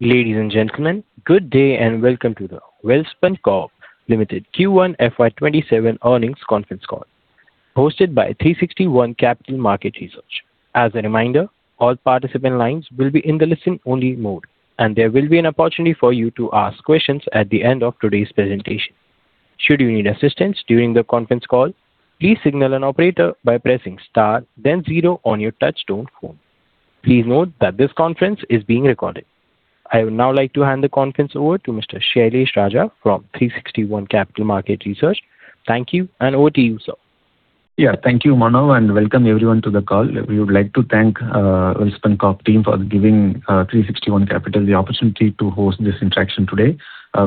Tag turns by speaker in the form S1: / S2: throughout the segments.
S1: Ladies and gentlemen, good day and welcome to the Welspun Corp Limited Q1 FY 2027 earnings conference call, hosted by 360 ONE Capital Markets. As a reminder, all participant lines will be in the listen-only mode, and there will be an opportunity for you to ask questions at the end of today's presentation. Should you need assistance during the conference call, please signal an operator by pressing star then zero on your touch-tone phone. Please note that this conference is being recorded. I would now like to hand the conference over to Mr. Sailesh Raja from 360 ONE Capital Markets. Thank you, and over to you, sir.
S2: Yeah. Thank you, Mano, and welcome everyone to the call. We would like to thank Welspun Corp team for giving 360 ONE Capital the opportunity to host this interaction today.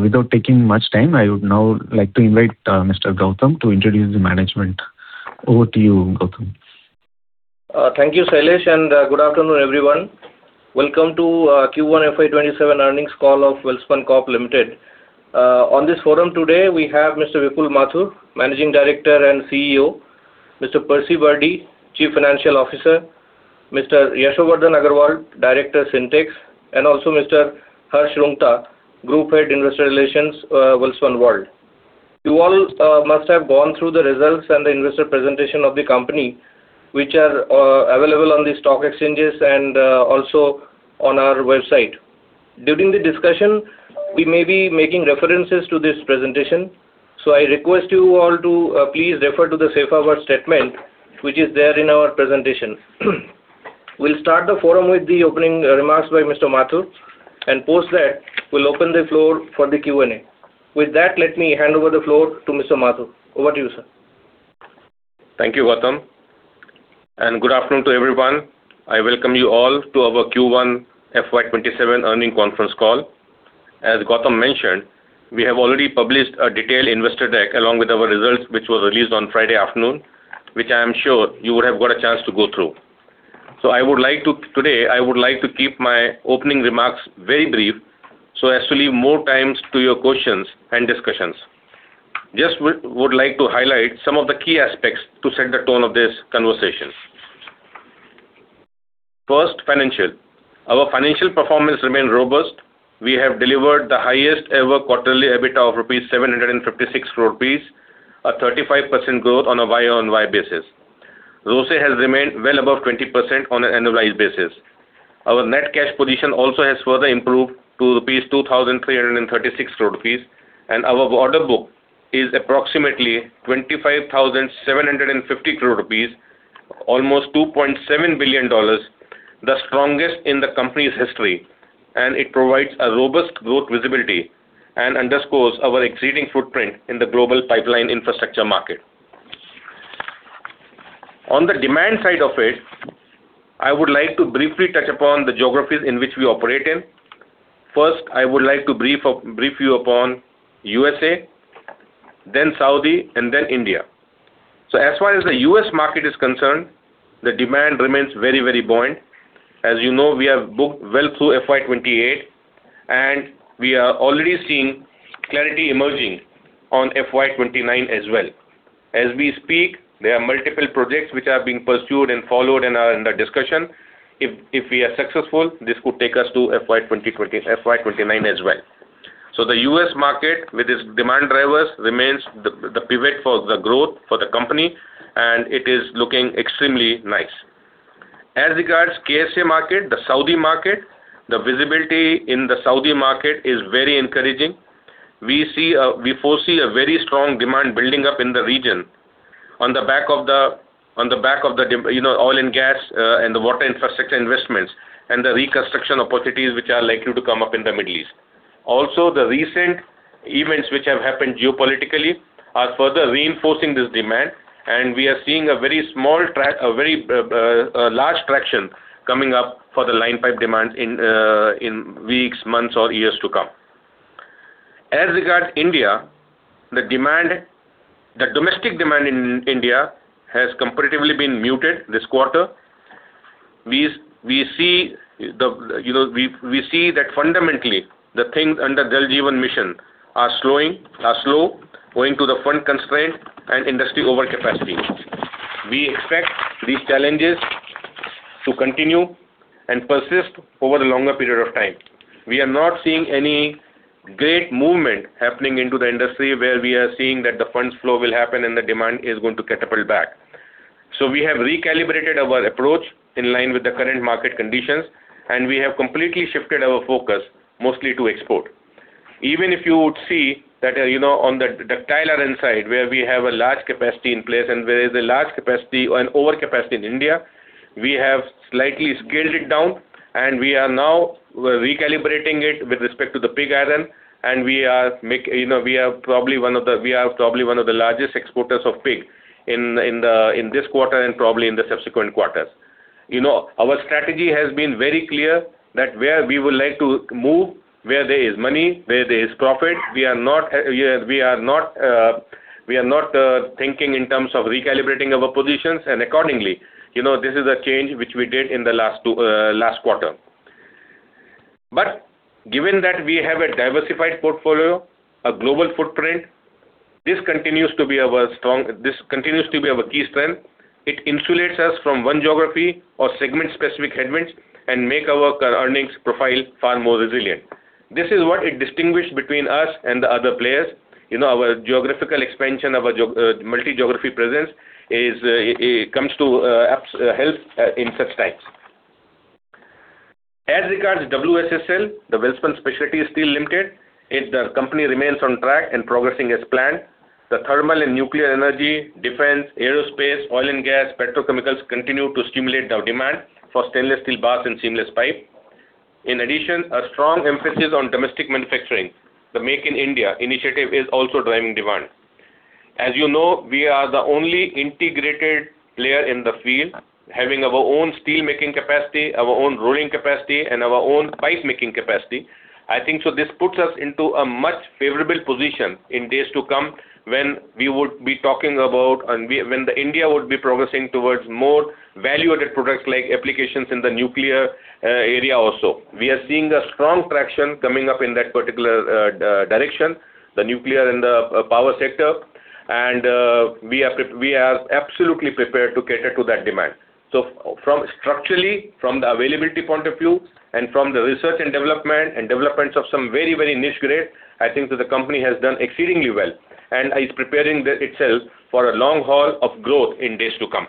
S2: Without taking much time, I would now like to invite Mr. Goutam to introduce the management. Over to you, Goutam.
S3: Thank you, Sailesh, and good afternoon, everyone. Welcome to Q1 FY 2027 earnings call of Welspun Corp Limited. On this forum today, we have Mr. Vipul Mathur, Managing Director and CEO, Mr. Percy Birdy, Chief Financial Officer, Mr. Yashovardhan Agarwal, Director, Sintex, and also Mr. Harsh Rungta, Group Head, Investor Relations, Welspun World. You all must have gone through the results and the investor presentation of the company, which are available on the stock exchanges and also on our website. During the discussion, we may be making references to this presentation, so I request you all to please refer to the safe harbor statement, which is there in our presentation. We will start the forum with the opening remarks by Mr. Mathur, and post that we will open the floor for the Q&A. With that, let me hand over the floor to Mr. Mathur. Over to you, sir.
S4: Thank you, Goutam. Good afternoon to everyone. I welcome you all to our Q1 FY 2027 earnings conference call. As Goutam mentioned, we have already published a detailed investor deck along with our results, which were released on Friday afternoon, which I am sure you would have got a chance to go through. Today, I would like to keep my opening remarks very brief so as to leave more times to your questions and discussions. Just would like to highlight some of the key aspects to set the tone of this conversation. First, financial. Our financial performance remained robust. We have delivered the highest ever quarterly EBITDA of 756 crore rupees, a 35% growth on a YoY basis. ROCE has remained well above 20% on an annualized basis. Our net cash position also has further improved to 2,336 crore rupees, and our order book is approximately 25,750 crore rupees, almost $2.7 billion, the strongest in the company's history. It provides a robust growth visibility and underscores our exceeding footprint in the global pipeline infrastructure market. On the demand side of it, I would like to briefly touch upon the geographies in which we operate in. First, I would like to brief you upon U.S.A., then Saudi, and then India. As far as the U.S. market is concerned, the demand remains very buoyant. As you know, we have booked well through FY 2028, and we are already seeing clarity emerging on FY 2029 as well. As we speak, there are multiple projects which are being pursued and followed and are under discussion. If we are successful, this could take us to FY 2029 as well. The U.S. market with its demand drivers remains the pivot for the growth for the company, and it is looking extremely nice. As regards K.S.A. market, the Saudi market, the visibility in the Saudi market is very encouraging. We foresee a very strong demand building up in the region on the back of the oil and gas, the water infrastructure investments and the reconstruction opportunities which are likely to come up in the Middle East. The recent events which have happened geopolitically are further reinforcing this demand. We are seeing a very large traction coming up for the line pipe demand in weeks, months, or years to come. As regards India, the domestic demand in India has comparatively been muted this quarter. We see that fundamentally, the things under Jal Jeevan Mission are slow owing to the fund constraint and industry overcapacity. We expect these challenges to continue and persist over the longer period of time. We are not seeing any great movement happening into the industry where we are seeing that the funds flow will happen and the demand is going to catapult back. We have recalibrated our approach in line with the current market conditions. We have completely shifted our focus mostly to export. Even if you would see that on the ductile iron side, where we have a large capacity in place where there is a large capacity or an overcapacity in India, we have slightly scaled it down. We are now recalibrating it with respect to the pig iron. We are probably one of the largest exporters of pig iron in this quarter and probably in the subsequent quarters. Our strategy has been very clear that where we would like to move, where there is money, where there is profit, we are not thinking in terms of recalibrating our positions. Accordingly, this is a change which we did in the last quarter. Given that we have a diversified portfolio, a global footprint. This continues to be our key strength. It insulates us from one geography or segment-specific headwinds and makes our earnings profile far more resilient. This is what it distinguished between us and the other players. Our geographical expansion, our multi-geography presence comes to help in such times. As regards WSSL, the Welspun Specialty Solutions Limited, the company remains on track and progressing as planned. The thermal and nuclear energy, defense, aerospace, oil and gas, petrochemicals continue to stimulate the demand for stainless steel bars and seamless pipe. In addition, a strong emphasis on domestic manufacturing, the Make in India initiative is also driving demand. As you know, we are the only integrated player in the field, having our own steelmaking capacity, our own rolling capacity, and our own pipe-making capacity. I think so this puts us into a much favorable position in days to come when we would be talking about and when India would be progressing towards more value-added products like applications in the nuclear area also. We are seeing a strong traction coming up in that particular direction, the nuclear and the power sector. We are absolutely prepared to cater to that demand. Structurally, from the availability point of view, and from the research and development and developments of some very niche grade, I think that the company has done exceedingly well and is preparing itself for a long haul of growth in days to come.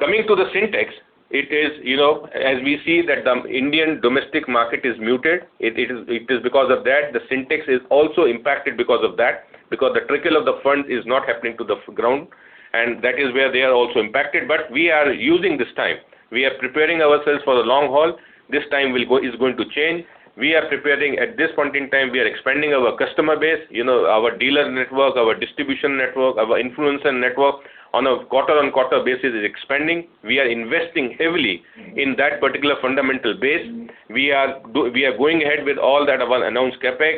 S4: Coming to the Sintex, as we see that the Indian domestic market is muted, it is because of that, the Sintex is also impacted because of that, because the trickle of the fund is not happening to the ground. That is where they are also impacted. We are using this time. We are preparing ourselves for the long haul. This time is going to change. We are preparing at this point in time, we are expanding our customer base, our dealer network, our distribution network, our influencer network on a quarter-on-quarter basis is expanding. We are investing heavily in that particular fundamental base. We are going ahead with all that our announced CapEx,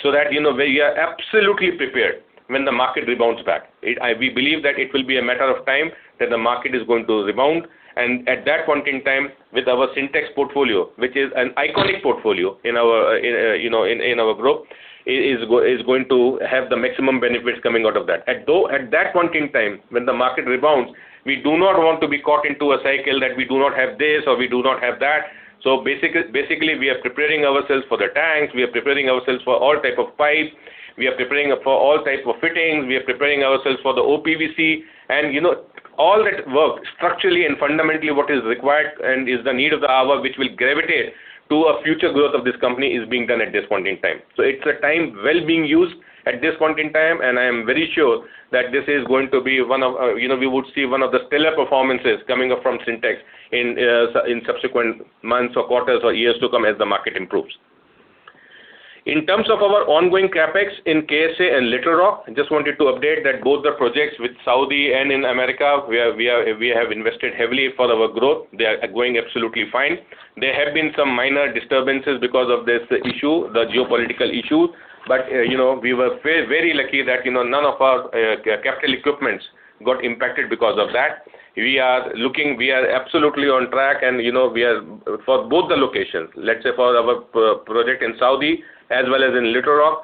S4: so that we are absolutely prepared when the market rebounds back. We believe that it will be a matter of time that the market is going to rebound. At that point in time with our Sintex portfolio, which is an iconic portfolio in our group, is going to have the maximum benefits coming out of that. At that point in time, when the market rebounds, we do not want to be caught into a cycle that we do not have this, or we do not have that. Basically, we are preparing ourselves for the tanks. We are preparing ourselves for all type of pipe. We are preparing for all types of fittings. We are preparing ourselves for the OPVC. All that work structurally and fundamentally, what is required and is the need of the hour, which will gravitate to a future growth of this company, is being done at this point in time. It's a time well being used at this point in time, and I am very sure that we would see one of the stellar performances coming up from Sintex in subsequent months or quarters or years to come as the market improves. In terms of our ongoing CapEx in K.S.A. and Little Rock, I just wanted to update that both the projects with Saudi and in America, we have invested heavily for our growth. They are going absolutely fine. There have been some minor disturbances because of this issue, the geopolitical issue, we were very lucky that none of our capital equipments got impacted because of that. We are absolutely on track. For both the locations, let's say for our project in Saudi as well as in Little Rock,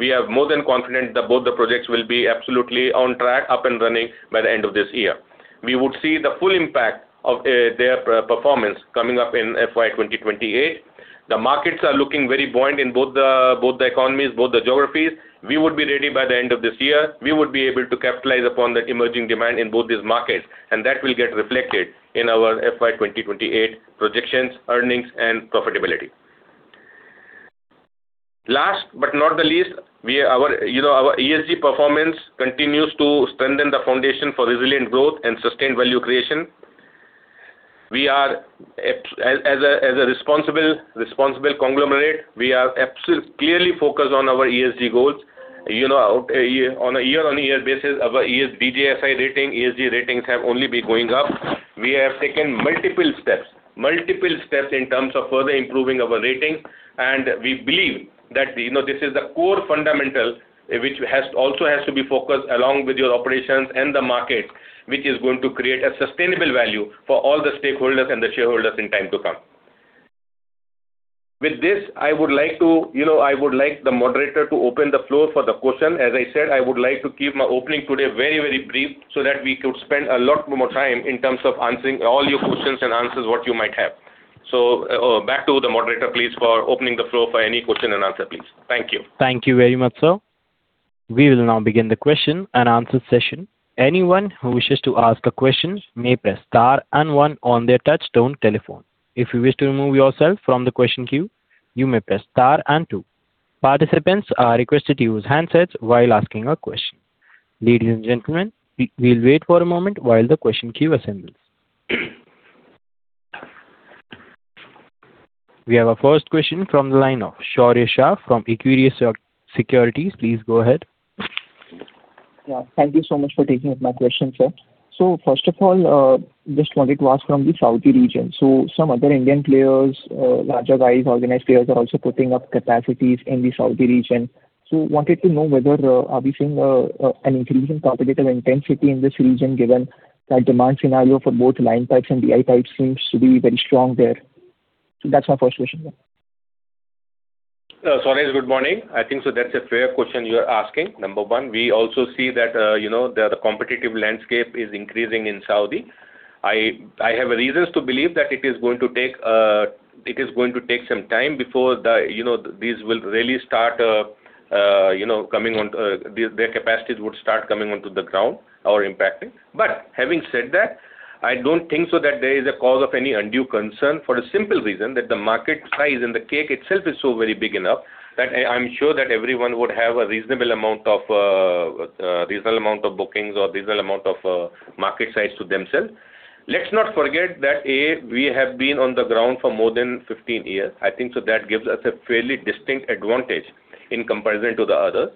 S4: we are more than confident that both the projects will be absolutely on track, up and running by the end of this year. We would see the full impact of their performance coming up in FY 2028. The markets are looking very buoyant in both the economies, both the geographies. We would be ready by the end of this year. We would be able to capitalize upon that emerging demand in both these markets, and that will get reflected in our FY 2028 projections, earnings, and profitability. Last but not the least, our ESG performance continues to strengthen the foundation for resilient growth and sustained value creation. As a responsible conglomerate, we are clearly focused on our ESG goals. On a year-on-year basis, our DJSI rating, ESG ratings have only been going up. We have taken multiple steps in terms of further improving our rating. We believe that this is the core fundamental which also has to be focused along with your operations and the market, which is going to create a sustainable value for all the stakeholders and the shareholders in time to come. With this, I would like the moderator to open the floor for the question. As I said, I would like to keep my opening today very brief so that we could spend a lot more time in terms of answering all your questions and answers what you might have. Back to the moderator, please, for opening the floor for any question and answer, please. Thank you.
S1: Thank you very much, sir. We will now begin the question-and-answer session. Anyone who wishes to ask a question may press star and one on their touchtone telephone. If you wish to remove yourself from the question queue, you may press star and two. Participants are requested to use handsets while asking a question. Ladies and gentlemen, we'll wait for a moment while the question queue assembles. We have our first question from the line of Shaurya Shah from Equirus Securities. Please go ahead.
S5: Yeah. Thank you so much for taking my question, sir. First of all, just wanted to ask from the Saudi region. Some other Indian players, larger guys, organized players, are also putting up capacities in the Saudi region. Wanted to know whether, are we seeing an increasing competitive intensity in this region, given that demand scenario for both line pipes and DI pipes seems to be very strong there? That's my first question, yeah.
S4: Shaurya, good morning. I think so that's a fair question you are asking. Number one, we also see that the competitive landscape is increasing in Saudi. I have reasons to believe that it is going to take some time before their capacities would start coming onto the ground or impacting. Having said that, I don't think so that there is a cause of any undue concern for the simple reason that the market size and the cake itself is so very big enough that I'm sure that everyone would have a reasonable amount of bookings or reasonable amount of market size to themselves. Let's not forget that, A, we have been on the ground for more than 15 years. I think so that gives us a fairly distinct advantage in comparison to the others.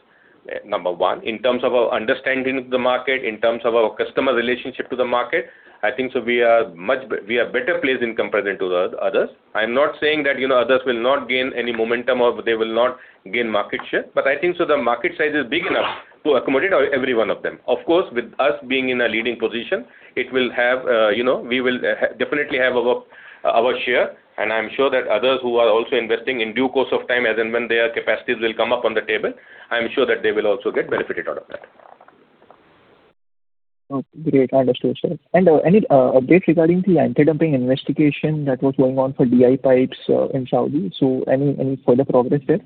S4: Number one, in terms of our understanding of the market, in terms of our customer relationship to the market, I think so we are better placed in comparison to the others. I'm not saying that others will not gain any momentum or they will not gain market share, I think so the market size is big enough to accommodate every one of them. Of course, with us being in a leading position, we will definitely have our share, and I'm sure that others who are also investing in due course of time, as and when their capacities will come up on the table, I am sure that they will also get benefited out of that.
S5: Okay, great. Understood, sir. Any updates regarding the anti-dumping investigation that was going on for DI Pipes in Saudi? Any further progress there?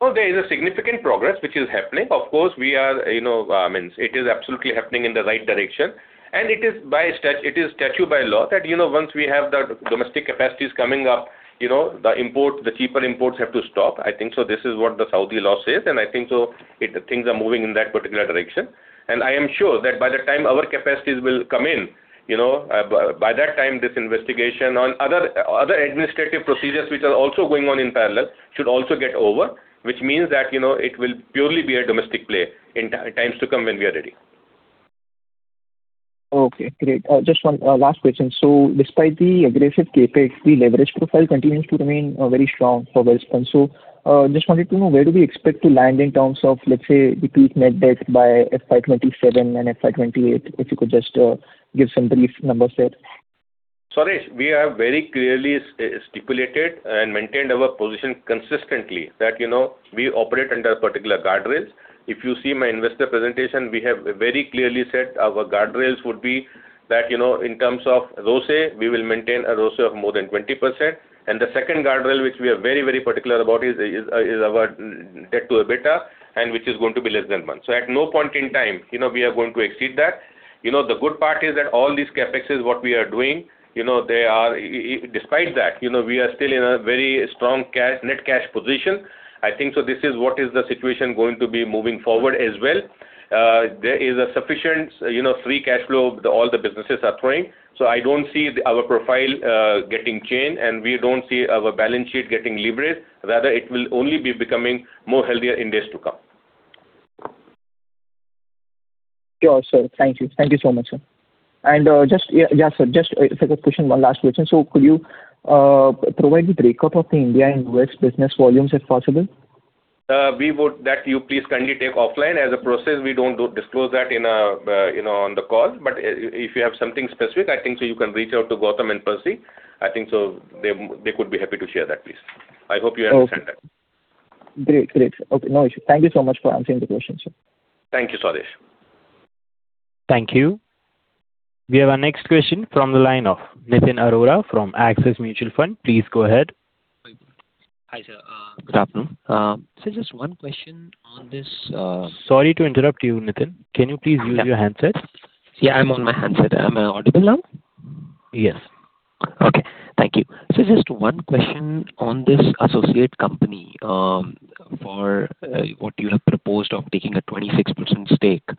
S4: No, there is a significant progress which is happening. Of course, it is absolutely happening in the right direction. It is statute by law that once we have the domestic capacities coming up, the cheaper imports have to stop. I think so this is what the Saudi law says, I think so things are moving in that particular direction. I am sure that by the time our capacities will come in, by that time, this investigation on other administrative procedures, which are also going on in parallel, should also get over, which means that it will purely be a domestic play in times to come when we are ready.
S5: Okay, great. Just one last question. Despite the aggressive CapEx, the leverage profile continues to remain very strong for Welspun. Just wanted to know where do we expect to land in terms of, let's say, decrease net debt by FY 2027 and FY 2028? If you could just give some brief numbers there.
S4: Shaurya, we have very clearly stipulated and maintained our position consistently that we operate under particular guardrails. If you see my investor presentation, we have very clearly said our guardrails would be that in terms of ROCE, we will maintain a ROCE of more than 20%. The second guardrail, which we are very particular about, is our debt-to-EBITDA, and which is going to be less than one. At no point in time we are going to exceed that. The good part is that all these CapExes, what we are doing, despite that we are still in a very strong net cash position. I think so this is what is the situation going to be moving forward as well. There is a sufficient free cash flow all the businesses are throwing. I don't see our profile getting changed, and we don't see our balance sheet getting leveraged. Rather, it will only be becoming more healthier in days to come.
S5: Sure, sir. Thank you. Thank you so much, sir. Just, yeah, sir, just a second question, one last question. Could you provide the breakup of the India and U.S. business volumes if possible?
S4: That you please kindly take offline. As a process, we don't disclose that on the call. If you have something specific, I think so you can reach out to Goutam and Percy. I think so they could be happy to share that, please. I hope you understand that.
S5: Great. Great. Okay, no issue. Thank you so much for answering the questions, sir.
S4: Thank you, Shaurya.
S1: Thank you. We have our next question from the line of Nitin Arora from Axis Mutual Fund. Please go ahead.
S6: Hi, sir. Good afternoon. Sir, just one question on this-
S1: Sorry to interrupt you, Nitin. Can you please use your handset?
S6: Yeah, I'm on my handset. Am I audible now?
S1: Yes.
S6: Okay. Thank you. Just one question on this associate company for what you have proposed of taking a 26% stake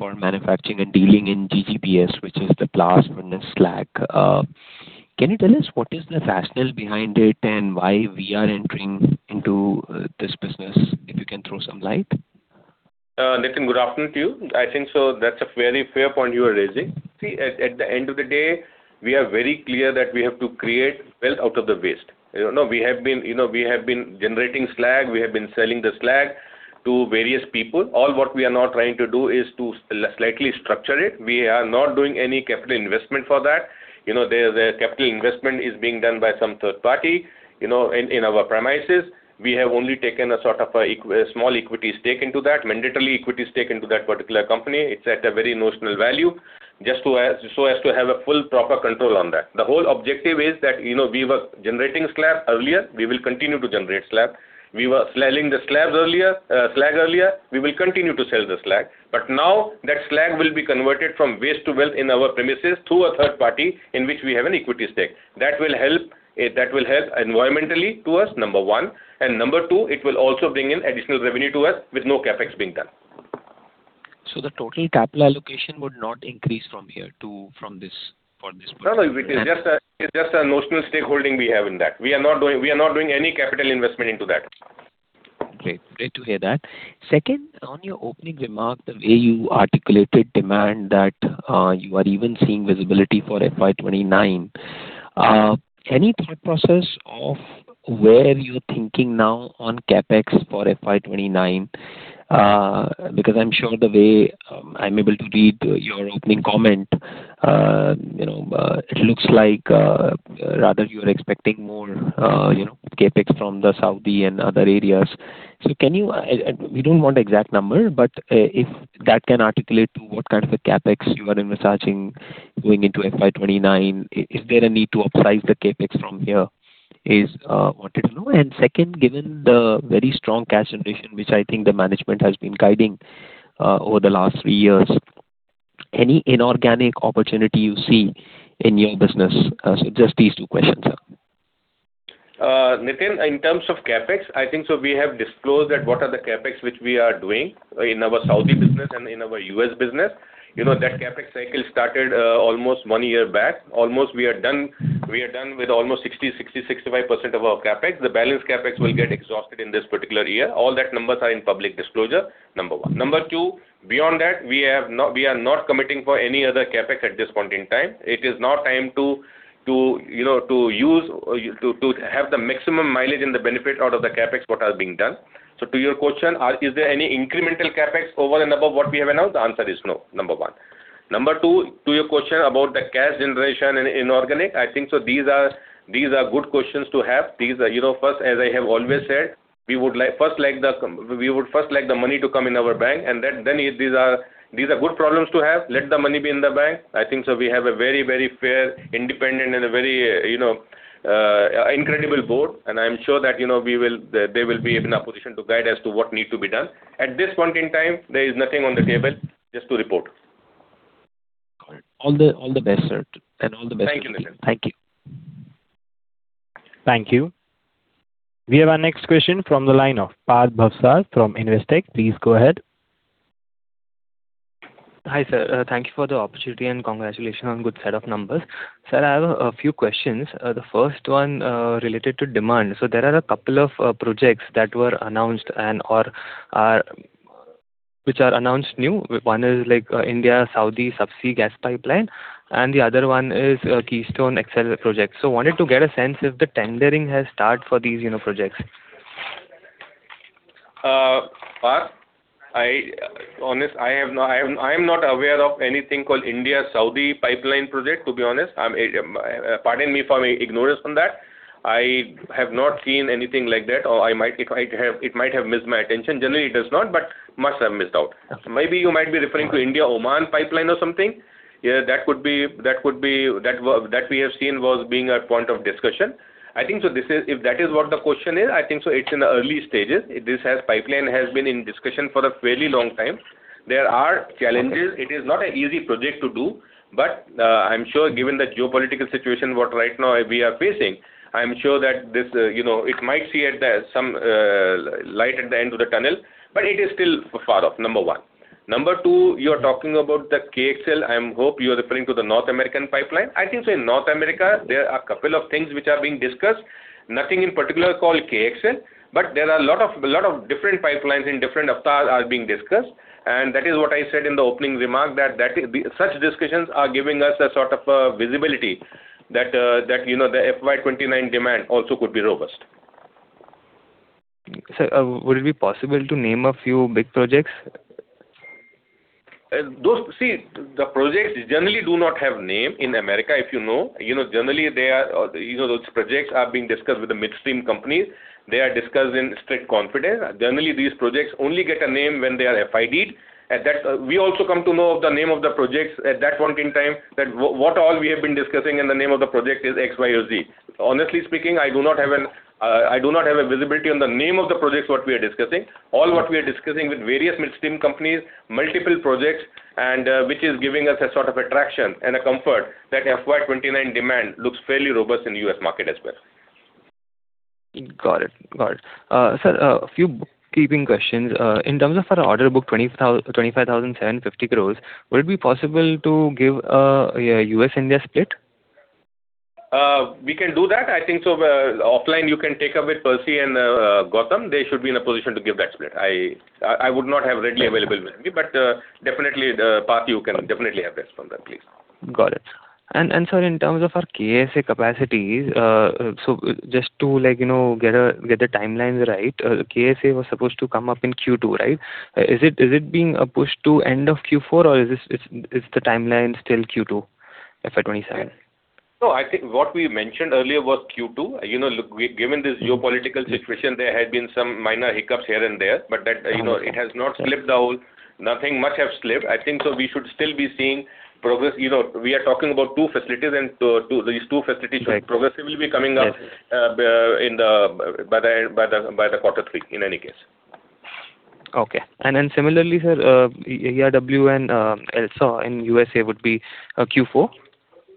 S6: for manufacturing and dealing in GGBS, which is the blast furnace slag. Can you tell us what is the rationale behind it and why we are entering into this business? If you can throw some light.
S4: Nitin, good afternoon to you. I think so that's a very fair point you are raising. See, at the end of the day, we are very clear that we have to create wealth out of the waste. We have been generating slag. We have been selling the slag to various people. All what we are now trying to do is to slightly structure it. We are not doing any capital investment for that. The capital investment is being done by some third party in our premises. We have only taken a sort of a small equity stake into that, mandatory equity stake into that particular company. It's at a very notional value just so as to have a full proper control on that. The whole objective is that we were generating slag earlier, we will continue to generate slag. We were selling the slag earlier, we will continue to sell the slag. Now that slag will be converted from waste to wealth in our premises through a third party in which we have an equity stake. That will help environmentally to us, number one, and number two, it will also bring in additional revenue to us with no CapEx being done.
S6: The total capital allocation would not increase from here for this particular-
S4: No, it is just a notional stakeholding we have in that. We are not doing any capital investment into that.
S6: Great. Great to hear that. Second, on your opening remark, the way you articulated demand that you are even seeing visibility for FY 2029, any thought process of where you're thinking now on CapEx for FY 2029? I'm sure the way I'm able to read your opening comment, it looks like rather you're expecting more CapEx from the Saudi and other areas. We don't want exact number, but if that can articulate to what kind of a CapEx you are envisaging going into FY 2029, is there a need to upsize the CapEx from here? I wanted to know. Second, given the very strong cash generation, which I think the management has been guiding over the last three years, any inorganic opportunity you see in your business? Just these two questions, sir.
S4: Nitin, in terms of CapEx, I think so we have disclosed that what are the CapEx which we are doing in our Saudi business and in our U.S. business. That CapEx cycle started almost one year back. We are done with almost 60%-65% of our CapEx. The balance CapEx will get exhausted in this particular year. All that numbers are in public disclosure. Number one. Number two, beyond that, we are not committing for any other CapEx at this point in time. It is now time to have the maximum mileage and the benefit out of the CapEx what has been done. To your question, is there any incremental CapEx over and above what we have announced? The answer is no. Number one. Number two, to your question about the cash generation in inorganic, I think so these are good questions to have. First, as I have always said, we would first like the money to come in our bank, and then these are good problems to have. Let the money be in the bank. I think so we have a very fair, independent, and a very incredible board, and I'm sure that they will be in a position to guide as to what need to be done. At this point in time, there is nothing on the table. Just to report.
S6: Got it. All the best, sir. All the best to you.
S4: Thank you, Nitin.
S6: Thank you.
S1: Thank you. We have our next question from the line of Parth Bhavsar from Investec. Please go ahead.
S7: Hi, sir. Thank you for the opportunity, and congratulations on good set of numbers. Sir, I have a few questions. The first one related to demand. There are a couple of projects that were announced, which are announced new. One is India-Saudi subsea gas pipeline, and the other one is Keystone XL project. Wanted to get a sense if the tendering has start for these projects.
S4: Parth, honestly, I am not aware of anything called India-Saudi pipeline project, to be honest. Pardon me for my ignorance on that. I have not seen anything like that, or it might have missed my attention. Generally, it does not, but must have missed out. Maybe you might be referring to India-Oman pipeline or something. That we have seen was being a point of discussion. If that is what the question is, I think so it's in the early stages. This pipeline has been in discussion for a fairly long time. There are challenges. It is not an easy project to do, but I'm sure given the geopolitical situation what right now we are facing, I'm sure that it might see some light at the end of the tunnel, but it is still far off. Number one. Number two, you're talking about the KXL. I hope you're referring to the North American pipeline. I think so in North America, there are a couple of things which are being discussed. Nothing in particular called KXL, but there are a lot of different pipelines in different avatars are being discussed, and that is what I said in the opening remark that such discussions are giving us a sort of visibility that the FY 2029 demand also could be robust.
S7: Sir, would it be possible to name a few big projects?
S4: See, the projects generally do not have names in America, if you know. Generally, those projects are being discussed with the midstream companies. They are discussed in strict confidence. Generally, these projects only get a name when they are FID'd. We also come to know of the name of the projects at that point in time that what all we have been discussing and the name of the project is X, Y, or Z. Honestly speaking, I do not have a visibility on the name of the projects what we are discussing. All what we are discussing with various midstream companies, multiple projects, and which is giving us a sort of attraction and a comfort that FY 2029 demand looks fairly robust in U.S. market as well.
S7: Got it. Sir, a few bookkeeping questions. In terms of our order book 25,750 crore, would it be possible to give a U.S.-India split?
S4: We can do that. I think so offline you can take up with Percy and Goutam. They should be in a position to give that split. I would not have readily available with me, but definitely, Parth, you can definitely have this from them, please.
S7: Got it. Sir, in terms of our K.S.A capacities, just to get the timelines right, K.S.A was supposed to come up in Q2, right? Is it being pushed to end of Q4, or is the timeline still Q2 FY 2027?
S4: I think what we mentioned earlier was Q2. Given this geopolitical situation, there had been some minor hiccups here and there, but it has not slipped out. Nothing much have slipped. I think so we should still be seeing progress. We are talking about two facilities, and these two facilities should progressively be coming up by the quarter three, in any case.
S7: Okay. Similarly, sir, ERW and LSAW in U.S.A. would be Q4?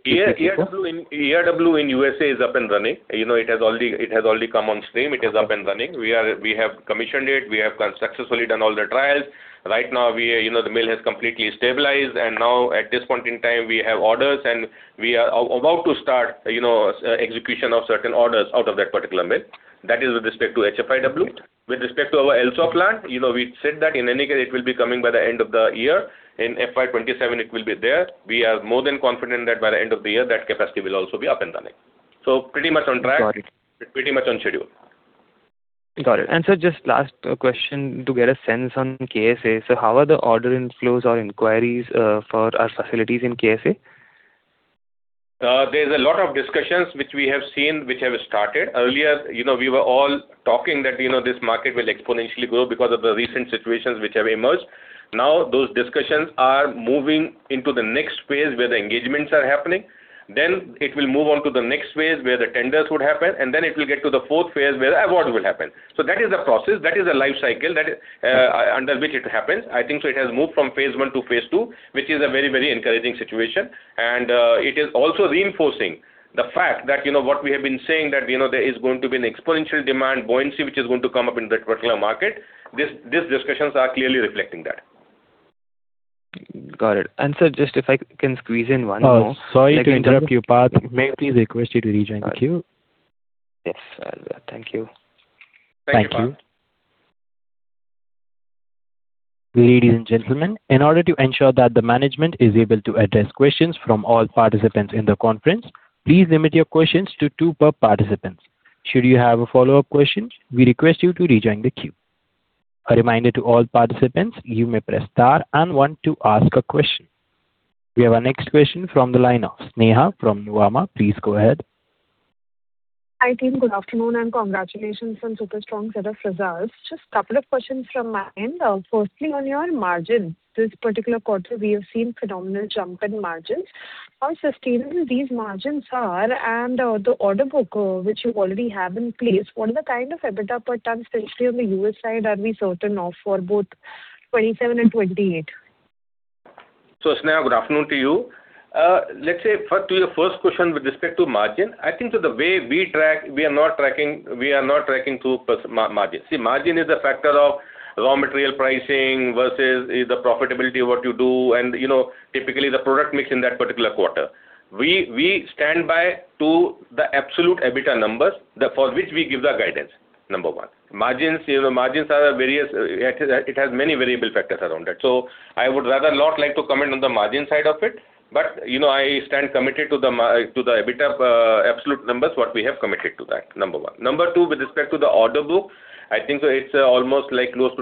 S4: ERW in U.S.A. is up and running. It has already come on stream. It is up and running. We have commissioned it. We have successfully done all the trials. Right now, the mill has completely stabilized, and now at this point in time, we have orders and we are about to start execution of certain orders out of that particular mill. That is with respect to HFIW. With respect to our LSAW plant, we said that in any case it will be coming by the end of the year. In FY 2027 it will be there. We are more than confident that by the end of the year, that capacity will also be up and running. Pretty much on track.
S7: Got it.
S4: Pretty much on schedule.
S7: Got it. Sir, just last question to get a sense on K.S.A. How are the order inflows or inquiries for our facilities in K.S.A.?
S4: There's a lot of discussions which we have seen, which have started. Earlier, we were all talking that this market will exponentially grow because of the recent situations which have emerged. Now, those discussions are moving into the next phase where the engagements are happening. It will move on to the next phase where the tenders would happen, it will get to the fourth phase where awards will happen. That is the process, that is the life cycle under which it happens. I think it has moved from phase I to phase II, which is a very encouraging situation. It is also reinforcing the fact that what we have been saying, that there is going to be an exponential demand buoyancy which is going to come up in that particular market. These discussions are clearly reflecting that.
S7: Got it. Sir, just if I can squeeze in one more.
S1: Sorry to interrupt you, Parth. May I please request you to rejoin the queue?
S7: Yes. Thank you.
S4: Thank you.
S1: Thank you. Ladies and gentlemen, in order to ensure that the management is able to address questions from all participants in the conference, please limit your questions to two per participant. Should you have a follow-up question, we request you to rejoin the queue. A reminder to all participants, you may press star one to ask a question. We have our next question from the line of Sneha from Nuvama. Please go ahead.
S8: Hi, team. Good afternoon and congratulations on super strong set of results. Just a couple of questions from my end. Firstly, on your margin. This particular quarter we have seen phenomenal jump in margins. How sustainable these margins are, and the order book which you already have in place, what are the kind of EBITDA per ton potentially on the U.S. side are we certain of for both 2027 and 2028?
S4: Sneha, good afternoon to you. Let's say to your first question with respect to margin, I think the way we track, we are not tracking through margin. See, margin is a factor of raw material pricing versus the profitability of what you do, and typically the product mix in that particular quarter. We stand by to the absolute EBITDA numbers for which we give the guidance, number one. Margins, it has many variable factors around it. I would rather not like to comment on the margin side of it. I stand committed to the EBITDA absolute numbers, what we have committed to that, number one. Number two, with respect to the order book, I think it's almost close to $2.7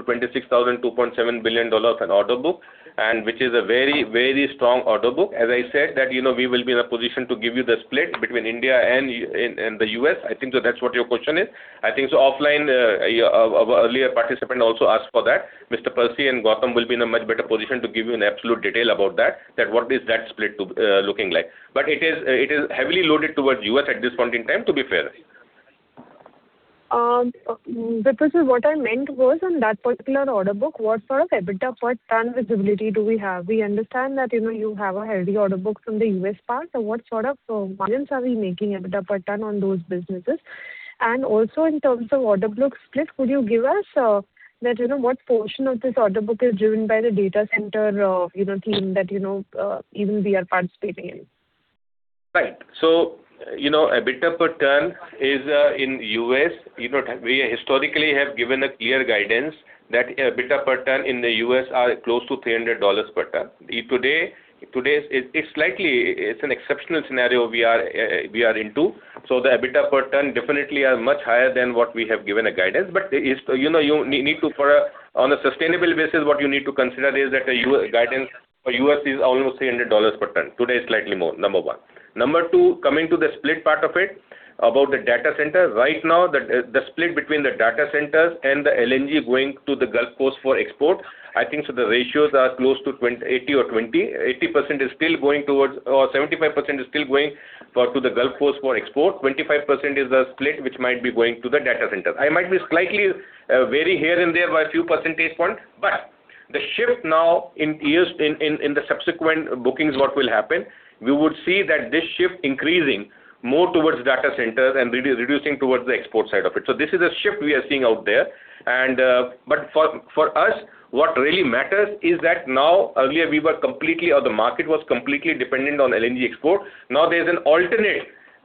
S4: billion an order book, and which is a very strong order book. As I said, we will be in a position to give you the split between India and the U.S. I think that's what your question is. I think offline, our earlier participant also asked for that. Mr. Percy and Goutam will be in a much better position to give you an absolute detail about that, what is that split looking like. It is heavily loaded towards U.S. at this point in time, to be fair.
S8: Sir what I meant was on that particular order book, what sort of EBITDA per ton visibility do we have? We understand that you have a heavy order book from the U.S. part. What sort of margins are we making EBITDA per ton on those businesses? Also in terms of order book split, could you give us what portion of this order book is driven by the data center theme that even we are participating in?
S4: Right. EBITDA per ton is in U.S. We historically have given a clear guidance that EBITDA per ton in the U.S. are close to $300 per ton. Today, it's an exceptional scenario we are into. The EBITDA per ton definitely are much higher than what we have given a guidance. On a sustainable basis, what you need to consider is that the guidance for U.S. is almost $300 per ton. Today is slightly more, number one. Number two, coming to the split part of it, about the data center. Right now, the split between the data centers and the LNG going to the Gulf Coast for export, I think the ratios are close to 80% or 20%. 75% is still going to the Gulf Coast for export, 25% is the split which might be going to the data center. I might be slightly vary here and there by a few percentage points, but the shift now in the subsequent bookings what will happen, we would see that this shift increasing more towards data centers and reducing towards the export side of it. This is a shift we are seeing out there. But for us, what really matters is that now, earlier we were completely, or the market was completely dependent on LNG export. Now there's an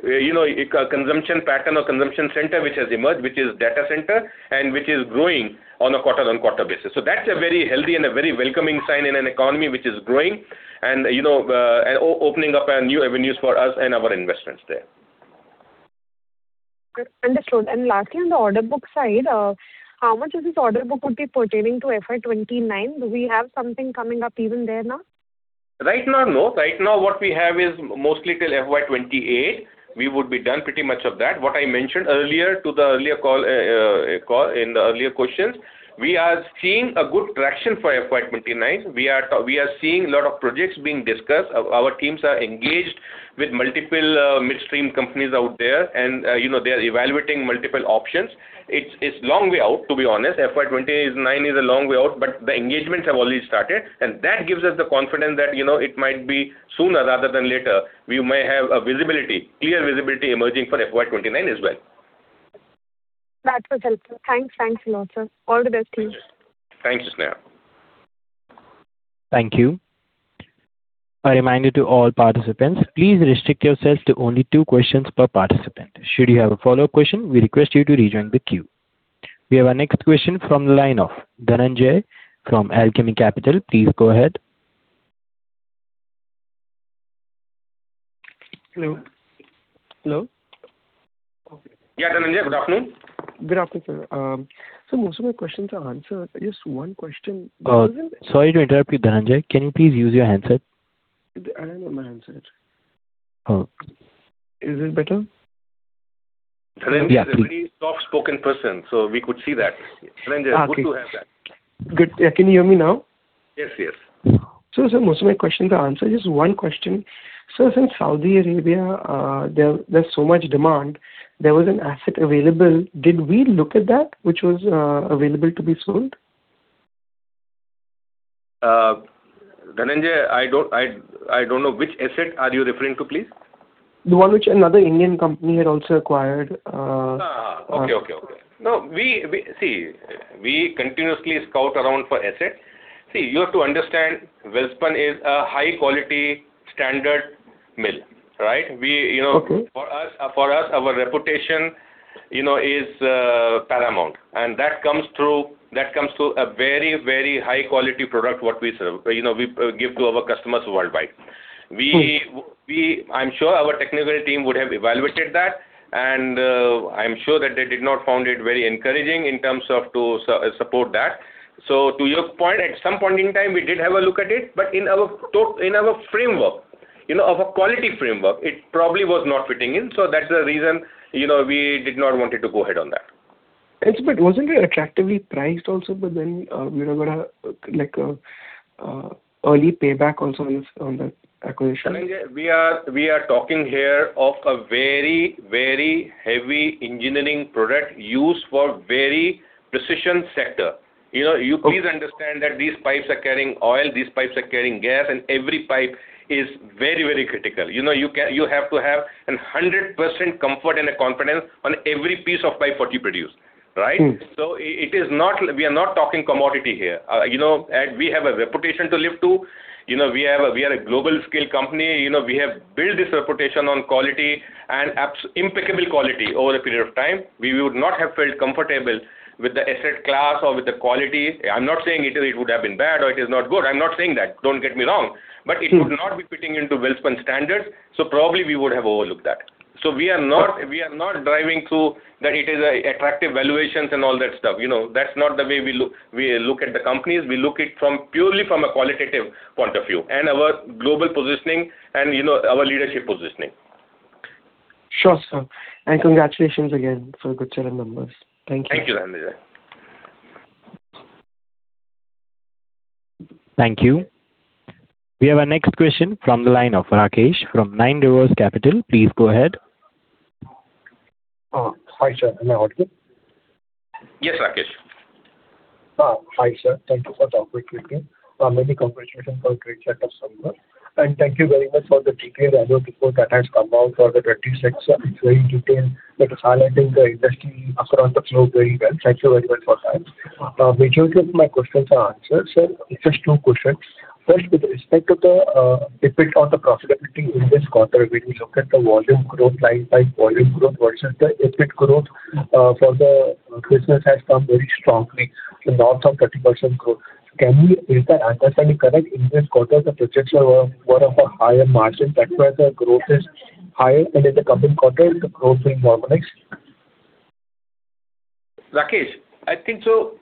S4: alternate consumption pattern or consumption center which has emerged, which is data center, and which is growing on a quarter-on-quarter basis. That's a very healthy and a very welcoming sign in an economy which is growing and opening up new avenues for us and our investments there.
S8: Understood. Lastly, on the order book side, how much of this order book would be pertaining to FY 2029? Do we have something coming up even there now?
S4: Right now, no. Right now what we have is mostly till FY 2028. We would be done pretty much of that. What I mentioned earlier in the earlier questions, we are seeing a good traction for FY 2029. We are seeing a lot of projects being discussed. Our teams are engaged with multiple midstream companies out there, and they are evaluating multiple options. It's a long way out, to be honest. FY 2029 is a long way out, but the engagements have already started, and that gives us the confidence that it might be sooner rather than later. We may have a clear visibility emerging for FY 2029 as well.
S8: That was helpful. Thanks a lot, sir. All the best to you.
S4: Thanks, Sneha.
S1: Thank you. A reminder to all participants, please restrict yourselves to only two questions per participant. Should you have a follow-up question, we request you to rejoin the queue. We have our next question from the line of Dhananjai from Alchemy Capital. Please go ahead.
S9: Hello?
S4: Yeah, Dhananjai, good afternoon.
S9: Good afternoon, sir. Sir, most of my questions are answered. Just one question.
S1: Sorry to interrupt you, Dhananjai. Can you please use your handset?
S9: I am on my handset.
S1: Oh.
S9: Is this better?
S4: Dhananjai-
S1: Yeah, please.
S4: You're a very soft-spoken person, so we could see that. Dhananjai, good to have that.
S9: Good. Yeah, can you hear me now?
S4: Yes.
S9: Sir, most of my questions are answered. Just one question. Sir, since Saudi Arabia, there's so much demand. There was an asset available. Did we look at that, which was available to be sold?
S4: Dhananjai, I don't know which asset are you referring to, please?
S9: The one which another Indian company had also acquired.
S4: We continuously scout around for assets. See, you have to understand, Welspun is a high-quality standard mill. Right?
S9: Okay.
S4: For us, our reputation is paramount. That comes through a very high-quality product what we serve, we give to our customers worldwide. I'm sure our technical team would have evaluated that, I'm sure that they did not find it very encouraging in terms of to support that. To your point, at some point in time, we did have a look at it, in our framework, of a quality framework, it probably was not fitting in. That's the reason we did not want to go ahead on that.
S9: Yes, wasn't it attractively priced also? We're going to like early payback also on that acquisition.
S4: Dhananjai, we are talking here of a very heavy engineering product used for very precision sector. You please understand that these pipes are carrying oil, these pipes are carrying gas, and every pipe is very critical. You have to have 100% comfort and confidence on every piece of pipe what you produce. Right? We are not talking commodity here. We have a reputation to live to. We are a global scale company. We have built this reputation on quality and impeccable quality over a period of time. We would not have felt comfortable with the asset class or with the quality. I'm not saying it would have been bad or it is not good. I'm not saying that. Don't get me wrong. It would not be fitting into Welspun standards, so probably we would have overlooked that. We are not driving through that it is attractive valuations and all that stuff. That's not the way we look at the companies. We look it purely from a qualitative point of view and our global positioning and our leadership positioning.
S9: Sure, sir. Congratulations again for the good set of numbers. Thank you.
S4: Thank you, Dhananjai.
S1: Thank you. We have our next question from the line of Rakesh from Nine Rivers Capital. Please go ahead.
S10: Hi, sir. Am I audible?
S4: Yes, Rakesh.
S10: Hi, sir. Thank you for the opportunity. Many congratulations for a great set of numbers. Thank you very much for the detailed annual report that has come out for the. [inaudible] It's very detailed, but it's highlighting the industry across the globe very well. Thanks you very much for that. Majority of my questions are answered, sir. It's just two questions. First, with respect to the effect on the profitability in this quarter, when you look at the volume growth line by volume growth versus the EBIT growth for the business has come very strongly to north of 30% growth. Is that understanding correct? In this quarter, the projects were of a higher margin. That's why the growth is higher, and in the coming quarter, the growth will normalize.
S4: Rakesh, I think so.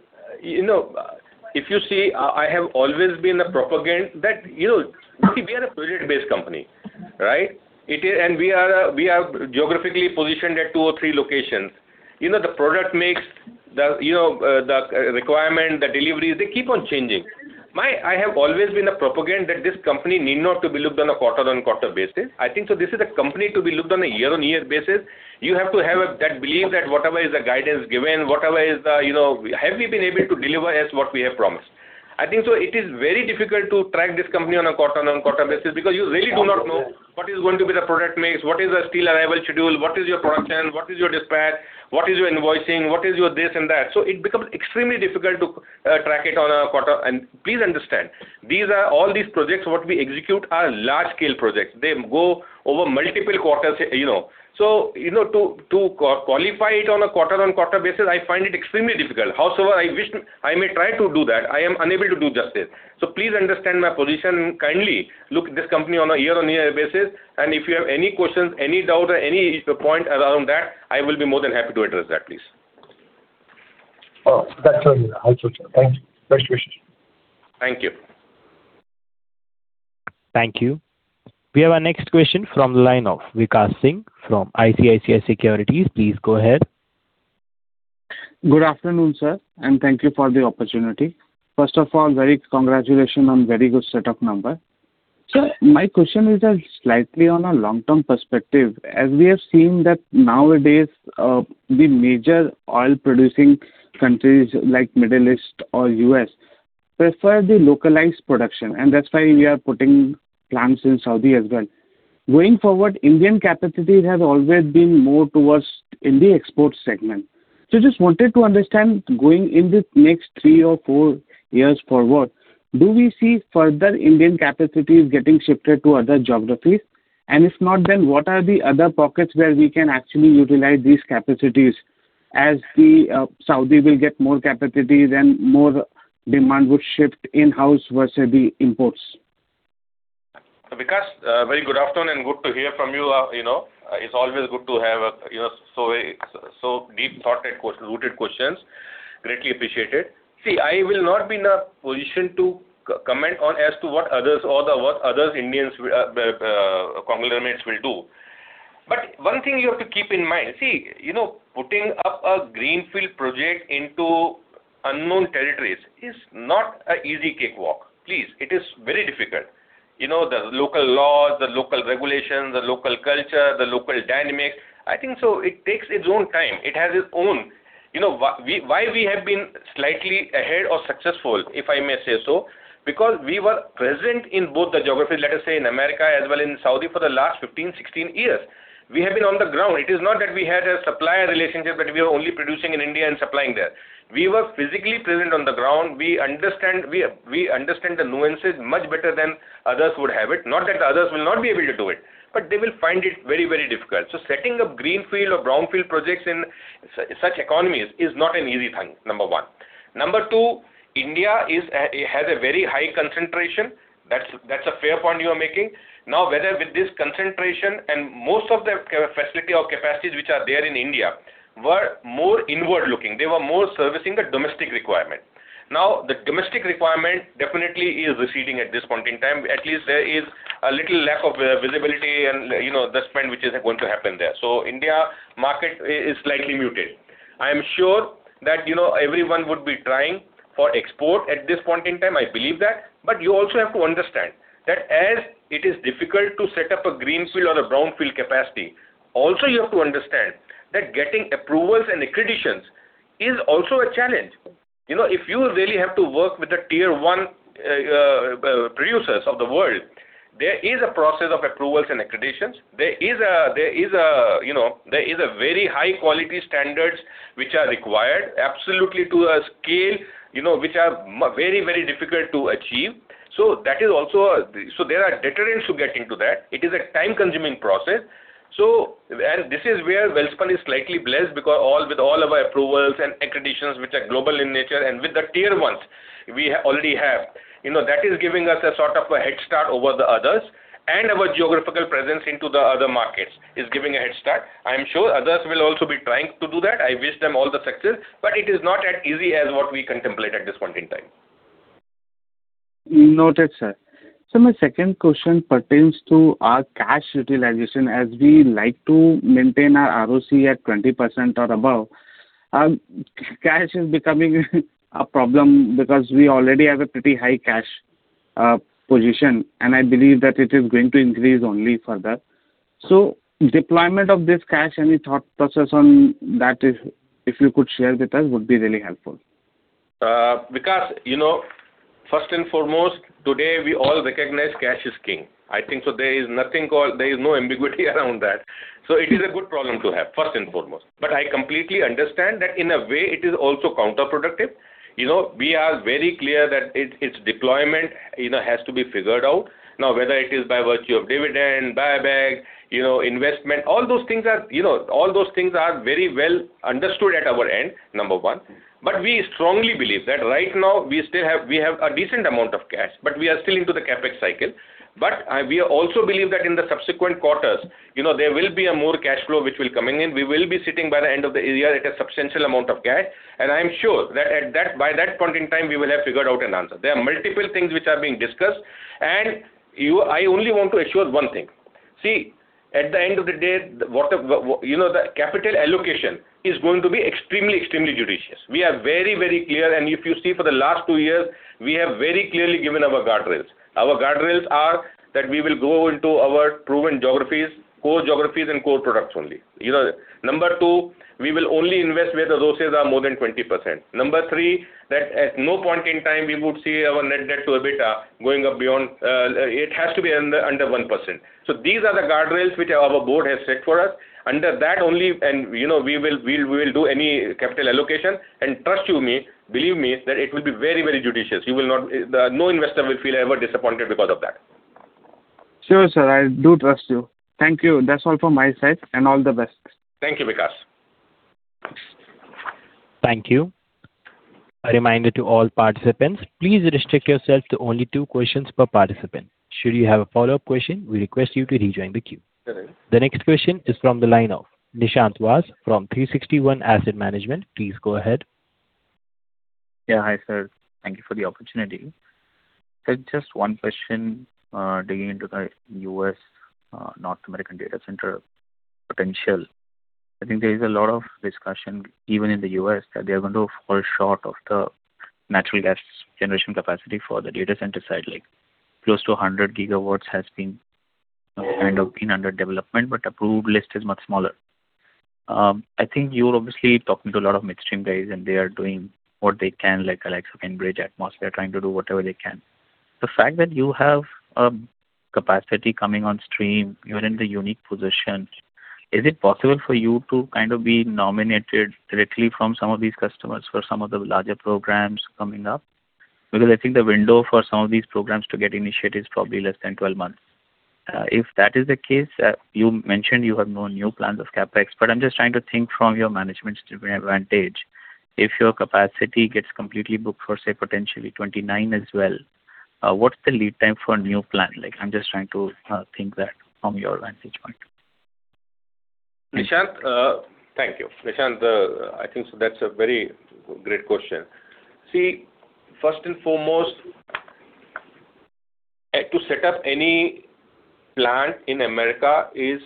S4: If you see, I have always been a proponent. See, we are a project-based company, right? We are geographically positioned at two or three locations. The product mix, the requirement, the deliveries, they keep on changing. I have always been a proponent that this company need not to be looked on a quarter-on-quarter basis. I think so this is a company to be looked on a year-on-year basis. You have to have that belief that whatever is the guidance given, have we been able to deliver as what we have promised? I think so it is very difficult to track this company on a quarter-on-quarter basis because you really do not know what is going to be the product mix, what is the steel arrival schedule, what is your production, what is your dispatch, what is your invoicing, what is your this and that. It becomes extremely difficult to track it on a quarter. Please understand, all these projects what we execute are large-scale projects. They go over multiple quarters. To qualify it on a quarter-on-quarter basis, I find it extremely difficult. Howsoever, I wish I may try to do that. I am unable to do justice. Please understand my position. Kindly look at this company on a year-on-year basis. If you have any questions, any doubt, or any point around that, I will be more than happy to address that, please.
S10: That's all, sir. I'll switch. Thanks. Best wishes.
S4: Thank you.
S1: Thank you. We have our next question from the line of Vikas Singh from ICICI Securities. Please go ahead.
S11: Good afternoon, sir, and thank you for the opportunity. First of all, very congratulations on very good set of number. Sir, my question is slightly on a long-term perspective. We have seen that nowadays, the major oil-producing countries like Middle East or U.S. prefer the localized production, and that's why we are putting plants in Saudi as well. Going forward, Indian capacities have always been more towards in the export segment. Just wanted to understand, going in this next three or four years forward, do we see further Indian capacities getting shifted to other geographies? If not, then what are the other pockets where we can actually utilize these capacities? The Saudi will get more capacities and more demand would shift in-house versus the imports.
S4: Vikas, very good afternoon and good to hear from you. It's always good to have so deep, rooted questions. Greatly appreciated. See, I will not be in a position to comment on as to what others, or what other Indians conglomerates will do. One thing you have to keep in mind, see, putting up a greenfield project into unknown territories is not a easy cakewalk. Please, it is very difficult. The local laws, the local regulations, the local culture, the local dynamics. I think so it takes its own time. Why we have been slightly ahead or successful, if I may say so, because we were present in both the geographies, let us say in America as well in Saudi for the last 15, 16 years. We have been on the ground. It is not that we had a supplier relationship, that we were only producing in India and supplying there. We were physically present on the ground. We understand the nuances much better than others would have it. Not that others will not be able to do it, but they will find it very difficult. Setting up greenfield or brownfield projects in such economies is not an easy thing, number one. Number two, India has a very high concentration. That's a fair point you are making. Whether with this concentration, and most of the facility or capacities which are there in India were more inward-looking. They were more servicing the domestic requirement. The domestic requirement definitely is receding at this point in time. At least there is a little lack of visibility and the spend which is going to happen there. India market is slightly muted. I am sure that everyone would be trying for export at this point in time, I believe that. You also have to understand that as it is difficult to set up a greenfield or a brownfield capacity, also, you have to understand that getting approvals and accreditations is also a challenge. If you really have to work with the tier 1 producers of the world, there is a process of approvals and accreditations. There is a very high quality standards which are required absolutely to a scale which are very difficult to achieve. There are deterrents to get into that. It is a time-consuming process. This is where Welspun is slightly blessed with all of our approvals and accreditations which are global in nature, and with the tier 1s we already have. That is giving us a sort of a head start over the others. Our geographical presence into the other markets is giving a head start. I am sure others will also be trying to do that. I wish them all the success. It is not as easy as what we contemplate at this point in time.
S11: Noted, sir. Sir, my second question pertains to our cash utilization, as we like to maintain our ROCE at 20% or above. Cash is becoming a problem because we already have a pretty high cash position. I believe that it is going to increase only further. Deployment of this cash, any thought process on that, if you could share with us, would be really helpful.
S4: Vikas, first and foremost, today we all recognize cash is king. I think so there is no ambiguity around that. It is a good problem to have, first and foremost. I completely understand that in a way it is also counterproductive. We are very clear that its deployment has to be figured out. Now, whether it is by virtue of dividend, buyback, investment, all those things are very well understood at our end, number one. We strongly believe that right now we have a decent amount of cash, but we are still into the CapEx cycle. We also believe that in the subsequent quarters, there will be a more cash flow which will coming in. We will be sitting by the end of the year at a substantial amount of cash. I am sure that by that point in time, we will have figured out an answer. There are multiple things which are being discussed, I only want to assure one thing. See, at the end of the day, the capital allocation is going to be extremely judicious. We are very clear, and if you see for the last two years, we have very clearly given our guardrails. Our guardrails are that we will go into our proven geographies, core geographies, and core products only. Number two, we will only invest where the ROCEs are more than 20%. Number three, that at no point in time we would see our net debt-to-EBITDA under 1%. These are the guardrails which our board has set for us. Under that only, we will do any capital allocation. Trust me, believe me, that it will be very judicious. No investor will feel ever disappointed because of that.
S11: Sure, sir, I do trust you. Thank you. That's all from my side, and all the best.
S4: Thank you, Vikas.
S1: Thank you. A reminder to all participants, please restrict yourself to only two questions per participant. Should you have a follow-up question, we request you to rejoin the queue.
S11: All right.
S1: The next question is from the line of Nishant Vass from 360 ONE Asset Management. Please go ahead.
S12: Yeah. Hi, sir. Thank you for the opportunity. Sir, just one question, digging into the U.S. North American data center potential. I think there is a lot of discussion even in the U.S. that they're going to fall short of the natural gas generation capacity for the data center side, like close to 100 GW has been kind of been under development, but approved list is much smaller. I think you're obviously talking to a lot of midstream guys, and they are doing what they can, like Enbridge, Atmos, they're trying to do whatever they can. The fact that you have a capacity coming on stream, you're in the unique position. Is it possible for you to kind of be nominated directly from some of these customers for some of the larger programs coming up? I think the window for some of these programs to get initiated is probably less than 12 months. If that is the case, you mentioned you have no new plans of CapEx, but I'm just trying to think from your management advantage, if your capacity gets completely booked for, say, potentially 2029 as well, what's the lead time for a new plan? I'm just trying to think that from your vantage point.
S4: Thank you. Nishant, I think that's a very great question. First and foremost, to set up any plant in America is,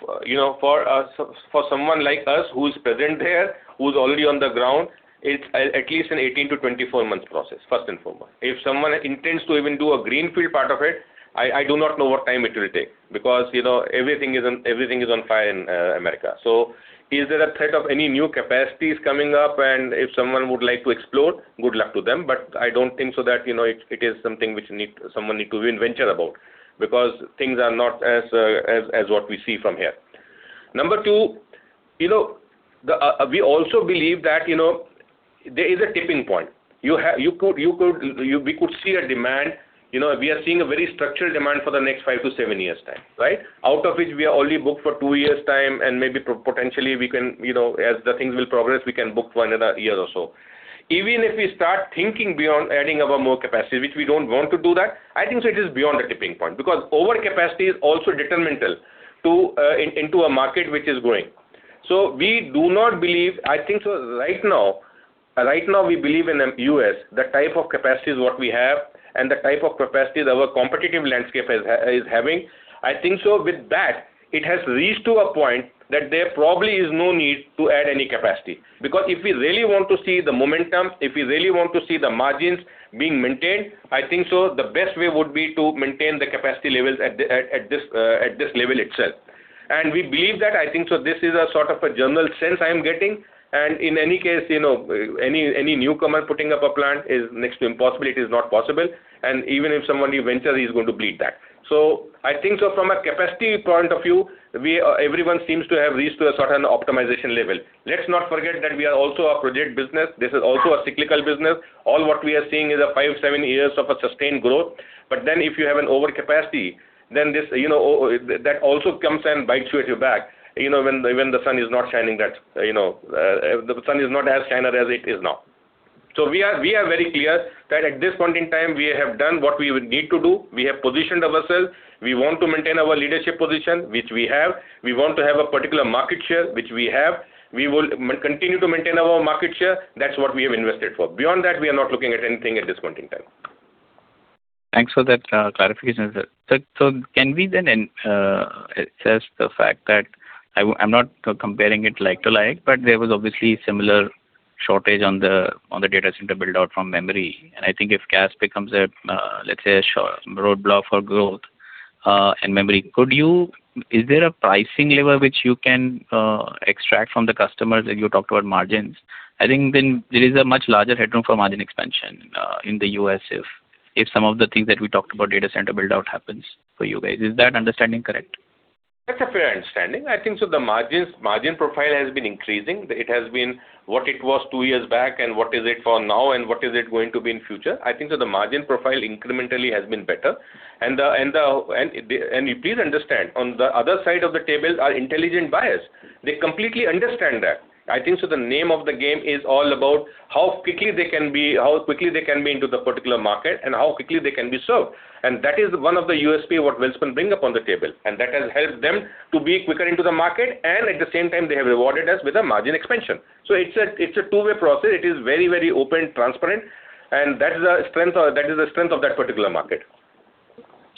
S4: for someone like us who's present there, who's already on the ground, it's at least an 18-24 months process, first and foremost. If someone intends to even do a greenfield part of it, I do not know what time it will take, because everything is on fire in America. Is there a threat of any new capacities coming up? If someone would like to explore, good luck to them, but I don't think so that it is something which someone needs to even venture about, because things are not as what we see from here. Number two, we also believe that there is a tipping point. We could see a demand. We are seeing a very structured demand for the next five to seven years' time, right? Out of which we are only booked for two years' time, and maybe potentially as the things will progress, we can book for another year or so. Even if we start thinking beyond adding our more capacity, which we don't want to do that, I think so it is beyond the tipping point, because overcapacity is also detrimental into a market which is growing. We do not believe, I think so right now, we believe in the U.S., the type of capacities what we have and the type of capacities our competitive landscape is having. I think so with that, it has reached to a point that there probably is no need to add any capacity. If we really want to see the momentum, if we really want to see the margins being maintained, I think so the best way would be to maintain the capacity levels at this level itself. We believe that, I think so this is a sort of a general sense I am getting, and in any case, any newcomer putting up a plant is next to impossible. It is not possible, and even if somebody ventures, he's going to bleed that. I think so from a capacity point of view, everyone seems to have reached to a certain optimization level. Let's not forget that we are also a project business. This is also a cyclical business. All what we are seeing is a five, seven years of a sustained growth. If you have an overcapacity, then that also comes and bites you at your back, when the sun is not as shining as it is now. We are very clear that at this point in time, we have done what we would need to do. We have positioned ourselves. We want to maintain our leadership position, which we have. We want to have a particular market share, which we have. We will continue to maintain our market share. That's what we have invested for. Beyond that, we are not looking at anything at this point in time.
S12: Thanks for that clarification. Can we then assess the fact that, I'm not comparing it like-to-like. There was obviously similar shortage on the data center build-out from memory. I think if cash becomes a, let's say, a roadblock for growth and memory, is there a pricing lever which you can extract from the customers if you talk about margins? I think then there is a much larger headroom for margin expansion in the U.S., if some of the things that we talked about data center build-out happens for you guys. Is that understanding correct?
S4: That's a fair understanding. I think so the margin profile has been increasing. It has been what it was two years back, and what is it for now, and what is it going to be in future. I think so the margin profile incrementally has been better. Please understand, on the other side of the table are intelligent buyers. They completely understand that. I think so the name of the game is all about how quickly they can be into the particular market and how quickly they can be served. That is one of the USP what Welspun bring up on the table. That has helped them to be quicker into the market, and at the same time, they have rewarded us with a margin expansion. It's a two-way process. It is very open, transparent, and that is a strength of that particular market.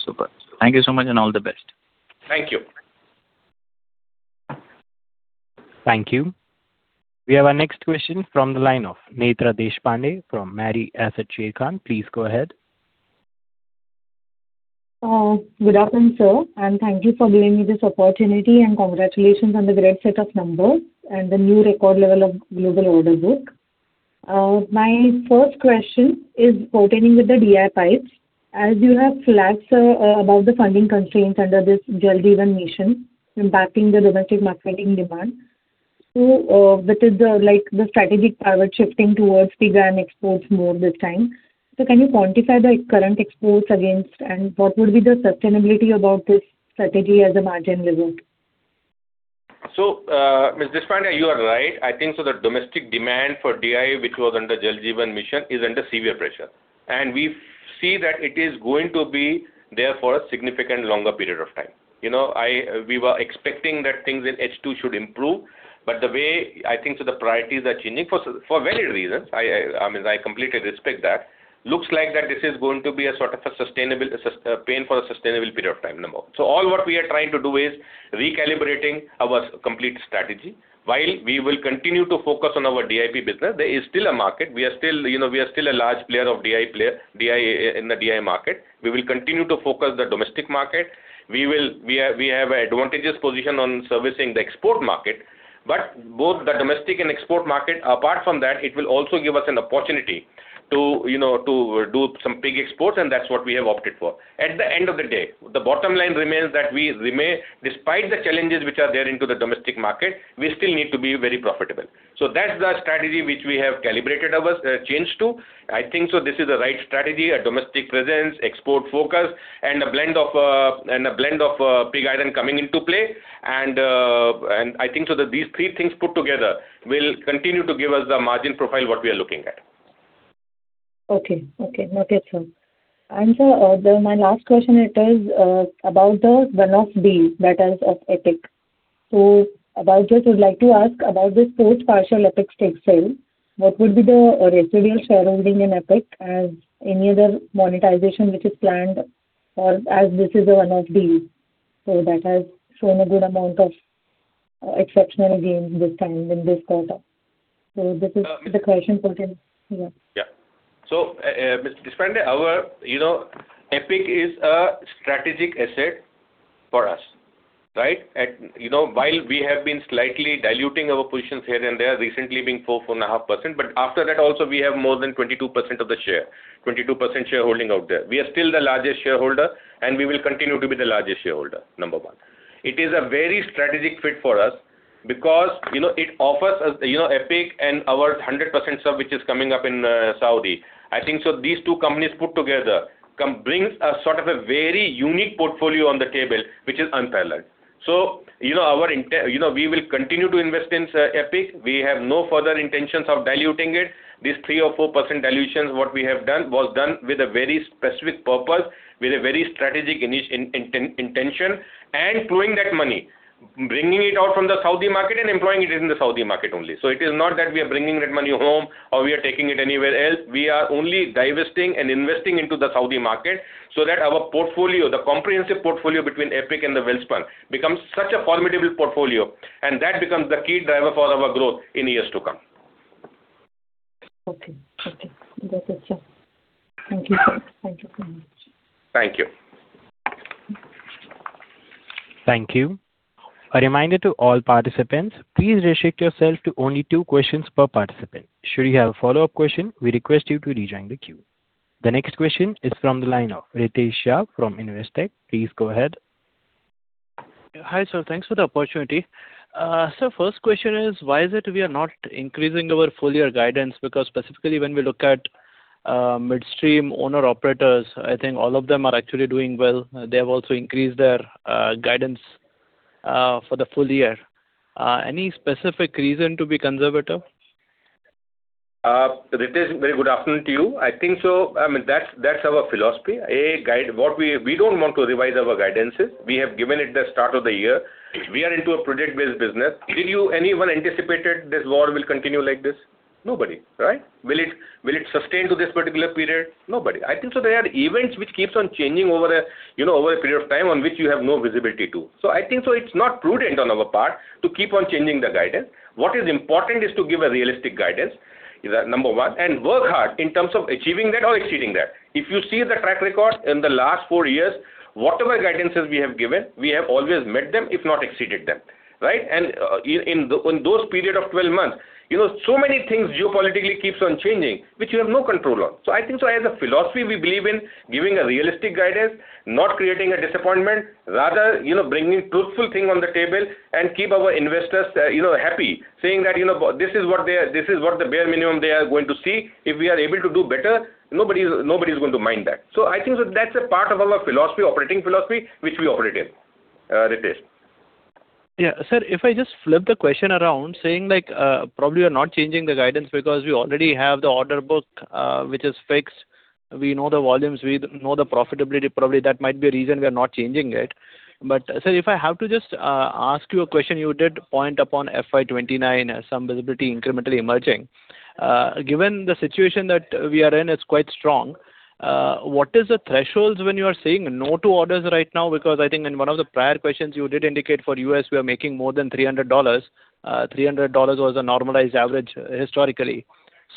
S12: Super. Thank you so much, and all the best.
S4: Thank you.
S1: Thank you. We have our next question from the line of Netra Deshpande from Mirae Asset Sharekhan. Please go ahead.
S13: Good afternoon, sir. Thank you for giving me this opportunity. Congratulations on the great set of numbers and the new record level of global order book. My first question is pertaining with the DI pipes. As you have flagged, sir, about the funding constraints under this Jal Jeevan Mission impacting the domestic marketing demand. Which is the strategic power shifting towards pig iron and exports more this time. Can you quantify the current exports against, and what would be the sustainability about this strategy as a margin result?
S4: Ms. Deshpande, you are right. I think so the domestic demand for DI, which was under Jal Jeevan Mission, is under severe pressure. We see that it is going to be there for a significant longer period of time. We were expecting that things in H2 should improve, the way I think so the priorities are changing for varied reasons. I completely respect that. Looks like that this is going to be a sort of a pain for a sustainable period of time no more. All what we are trying to do is recalibrating our complete strategy. We will continue to focus on our DI business, there is still a market. We are still a large player in the DI market. We will continue to focus the domestic market. We have advantageous position on servicing the export market, but both the domestic and export market. Apart from that, it will also give us an opportunity to do some pig iron exports, and that's what we have opted for. At the end of the day, the bottom line remains that we may, despite the challenges which are there into the domestic market, we still need to be very profitable. That's the strategy which we have calibrated our change to. I think so this is the right strategy, a domestic presence, export focus, and a blend of pig iron coming into play. I think so that these three things put together will continue to give us the margin profile, what we are looking at.
S13: Okay. Sir, my last question, it is about the one-off deal that is of EPIC. About this, I'd like to ask about this post partial EPIC stake sale. What would be the residual shareholding in EPIC as any other monetization which is planned, or as this is a one-off deal, so that has shown a good amount of exceptional gains this time in this quarter? This is the question put in. Yeah.
S4: Yeah. Ms. Deshpande, EPIC is a strategic asset for us. While we have been slightly diluting our positions here and there, recently being 4.5%, but after that also we have more than 22% shareholding out there. We are still the largest shareholder, and we will continue to be the largest shareholder, number one. It is a very strategic fit for us because it offers us EPIC and our 100% sub, which is coming up in Saudi. I think so these two companies put together brings a sort of a very unique portfolio on the table, which is unparalleled. We will continue to invest in EPIC. We have no further intentions of diluting it. These 3% or 4% dilutions, what we have done was done with a very specific purpose, with a very strategic intention, and deploying that money, bringing it out from the Saudi market and employing it in the Saudi market only. It is not that we are bringing that money home or we are taking it anywhere else. We are only divesting and investing into the Saudi market so that our portfolio, the comprehensive portfolio between EPIC and the Welspun, becomes such a formidable portfolio, and that becomes the key driver for our growth in years to come.
S13: Okay. That's it, sir. Thank you, sir. Thank you very much.
S4: Thank you.
S1: Thank you. A reminder to all participants, please restrict yourself to only two questions per participant. Should you have a follow-up question, we request you to rejoin the queue. The next question is from the line of Ritesh Shah from Investec. Please go ahead.
S14: Hi, sir. Thanks for the opportunity. Sir, first question is why is it we are not increasing our full year guidance? Specifically when we look at midstream owner-operators, I think all of them are actually doing well. They have also increased their guidance for the full year. Any specific reason to be conservative?
S4: Ritesh, very good afternoon to you. I think so, that's our philosophy. We don't want to revise our guidances. We have given it the start of the year. We are into a project-based business. Did anyone anticipated this war will continue like this? Nobody. Will it sustain to this particular period? Nobody. I think so there are events which keeps on changing over a period of time on which you have no visibility to. I think so it's not prudent on our part to keep on changing the guidance. What is important is to give a realistic guidance, number one, and work hard in terms of achieving that or exceeding that. If you see the track record in the last four years, whatever guidances we have given, we have always met them, if not exceeded them. In those period of 12 months, so many things geopolitically keeps on changing, which you have no control on. I think so as a philosophy, we believe in giving a realistic guidance, not creating a disappointment, rather bringing truthful thing on the table and keep our investors happy, saying that, "This is what the bare minimum they are going to see. If we are able to do better, nobody's going to mind that." I think that's a part of our operating philosophy, which we operate in, Ritesh.
S14: Yeah. Sir, if I just flip the question around saying, probably you're not changing the guidance because we already have the order book which is fixed. We know the volumes, we know the profitability. Probably that might be a reason we are not changing it. Sir, if I have to just ask you a question, you did point upon FY 2029 some visibility incrementally emerging. Given the situation that we are in, it's quite strong. What is the thresholds when you are saying no to orders right now? In one of the prior questions you did indicate for U.S., we are making more than $300. $300 was a normalized average historically.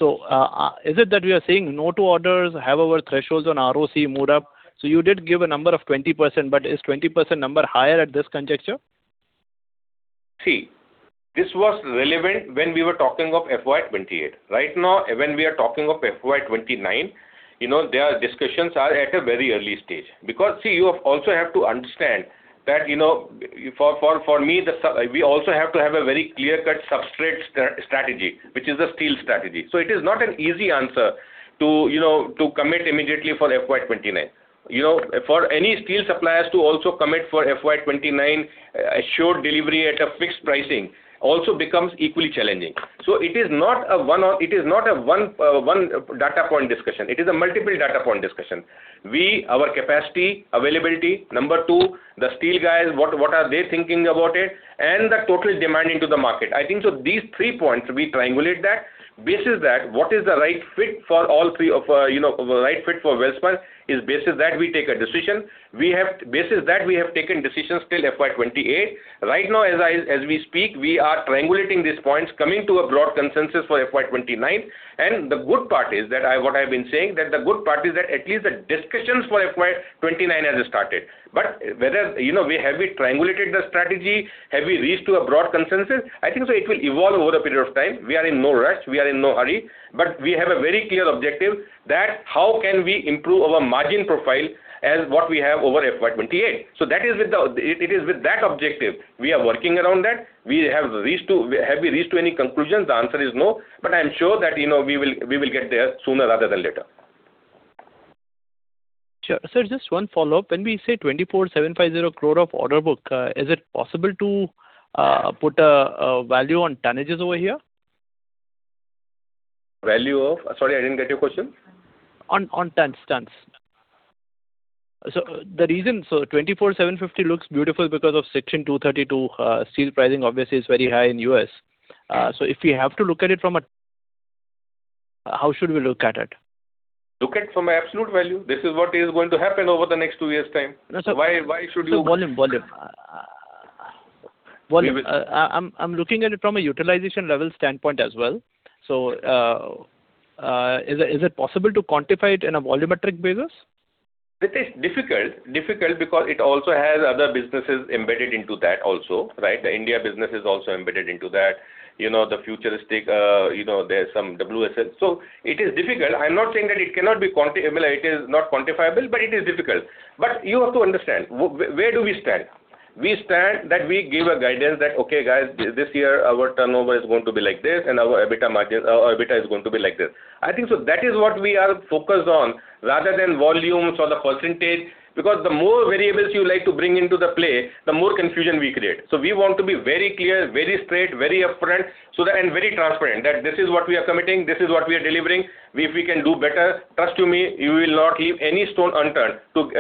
S14: Is it that we are saying no to orders, have our thresholds on ROCE moved up? You did give a number of 20%, but is 20% number higher at this conjecture?
S4: This was relevant when we were talking of FY 2028. Right now, when we are talking of FY 2029, their discussions are at a very early stage. You also have to understand that, for me, we also have to have a very clear-cut substrate strategy, which is the steel strategy. It is not an easy answer to commit immediately for FY 2029. For any steel suppliers to also commit for FY 2029 assured delivery at a fixed pricing also becomes equally challenging. It is not a one data point discussion. It is a multiple data point discussion. Our capacity, availability, number two, the steel guys, what are they thinking about it, and the total demand into the market. I think so these three points, we triangulate that. Basis that, what is the right fit for Welspun is basis that we take a decision. Basis that we have taken decisions till FY 2028. Right now as we speak, we are triangulating these points, coming to a broad consensus for FY 2029. The good part is that what I've been saying, that the good part is that at least the discussions for FY 2029 has started. Have we triangulated the strategy? Have we reached to a broad consensus? I think so it will evolve over a period of time. We are in no rush. We are in no hurry, we have a very clear objective that how can we improve our margin profile as what we have over FY 2028. It is with that objective. We are working around that. Have we reached to any conclusions? The answer is no, I'm sure that we will get there sooner rather than later.
S14: Sure. Sir, just one follow-up. When we say 24,750 crore of order book, is it possible to put a value on tonnages over here?
S4: Value of? Sorry, I didn't get your question.
S14: On tons. The reason 24,750 crore looks beautiful because of Section 232, steel pricing obviously is very high in the U.S. How should we look at it?
S4: Look at it from an absolute value. This is what is going to happen over the next two years' time.
S14: No, sir.
S4: Why should you?
S14: Sir, volume. I'm looking at it from a utilization level standpoint as well. Is it possible to quantify it in a volumetric basis?
S4: It is difficult. Difficult because it also has other businesses embedded into that also, right? The India business is also embedded into that. The futuristic, there's some WSS. It is difficult. I am not saying that it is not quantifiable, but it is difficult. You have to understand, where do we stand? We stand that we give a guidance that, okay, guys, this year our turnover is going to be like this and our EBITDA is going to be like this. I think so that is what we are focused on rather than volumes or the percentage, because the more variables you like to bring into the play, the more confusion we create. We want to be very clear, very straight, very upfront, and very transparent that this is what we are committing, this is what we are delivering. If we can do better, trust to me, you will not leave any stone unturned to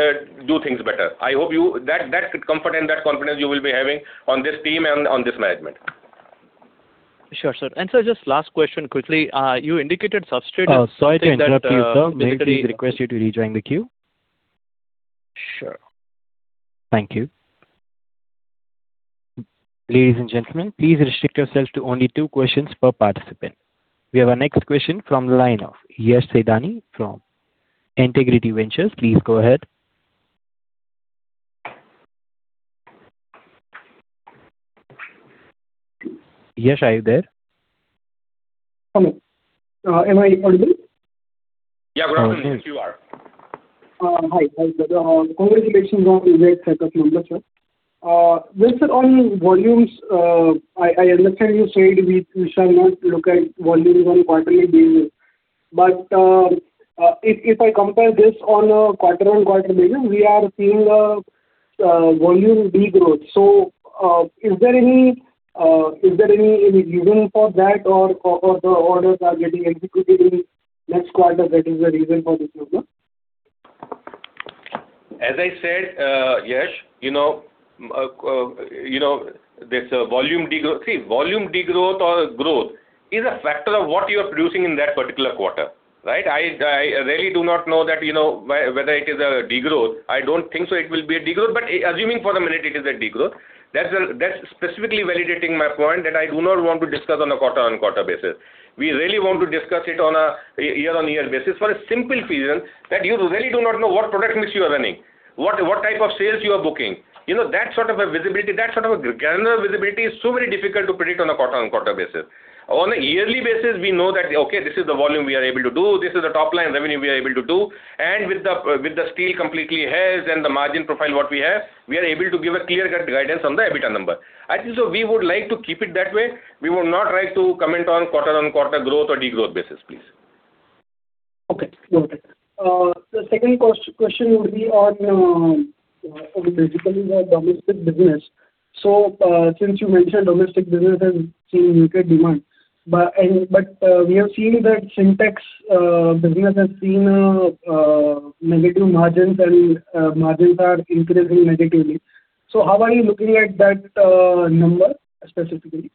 S4: do things better. I hope that comfort and that confidence you will be having on this team and on this management.
S14: Sure, sir. Sir, just last question quickly. You indicated substrate and-
S1: Sorry to interrupt you, sir. May I please request you to rejoin the queue?
S14: Sure.
S1: Thank you. Ladies and gentlemen, please restrict yourselves to only two questions per participant. We have our next question from the line of Yash Sedani from Entigrity Ventures. Please go ahead. Yash, are you there?
S15: Hello. Am I audible?
S4: Yeah, we're audible. You are.
S15: Hi. Congratulations on the great quarter number, sir. With on volumes, I understand you said we shall not look at volumes on a quarterly basis. If I compare this on a quarter-on-quarter basis, we are seeing a volume degrowth. Is there any reason for that or the orders are getting executed in next quarter, that is the reason for this problem?
S4: As I said, Yash, see, volume degrowth or growth is a factor of what you're producing in that particular quarter, right? I really do not know that whether it is a degrowth. I don't think so it will be a degrowth. Assuming for a minute it is a degrowth, that's specifically validating my point that I do not want to discuss on a quarter-on-quarter basis. We really want to discuss it on a year-on-year basis for a simple reason that you really do not know what product mix you are running, what type of sales you are booking. That sort of a visibility, that sort of a granular visibility is so very difficult to predict on a quarter-on-quarter basis. On a yearly basis, we know that, okay, this is the volume we are able to do, this is the top-line revenue we are able to do, and with the steel completely hedged and the margin profile what we have, we are able to give a clear cut guidance on the EBITDA number. I think so we would like to keep it that way. We will not like to comment on quarter-on-quarter growth or degrowth basis, please.
S15: Okay. Noted. The second question would be on basically the domestic business. Since you mentioned domestic business has seen muted demand. We have seen that Sintex business has seen negative margins and margins are increasing negatively. How are you looking at that number specifically?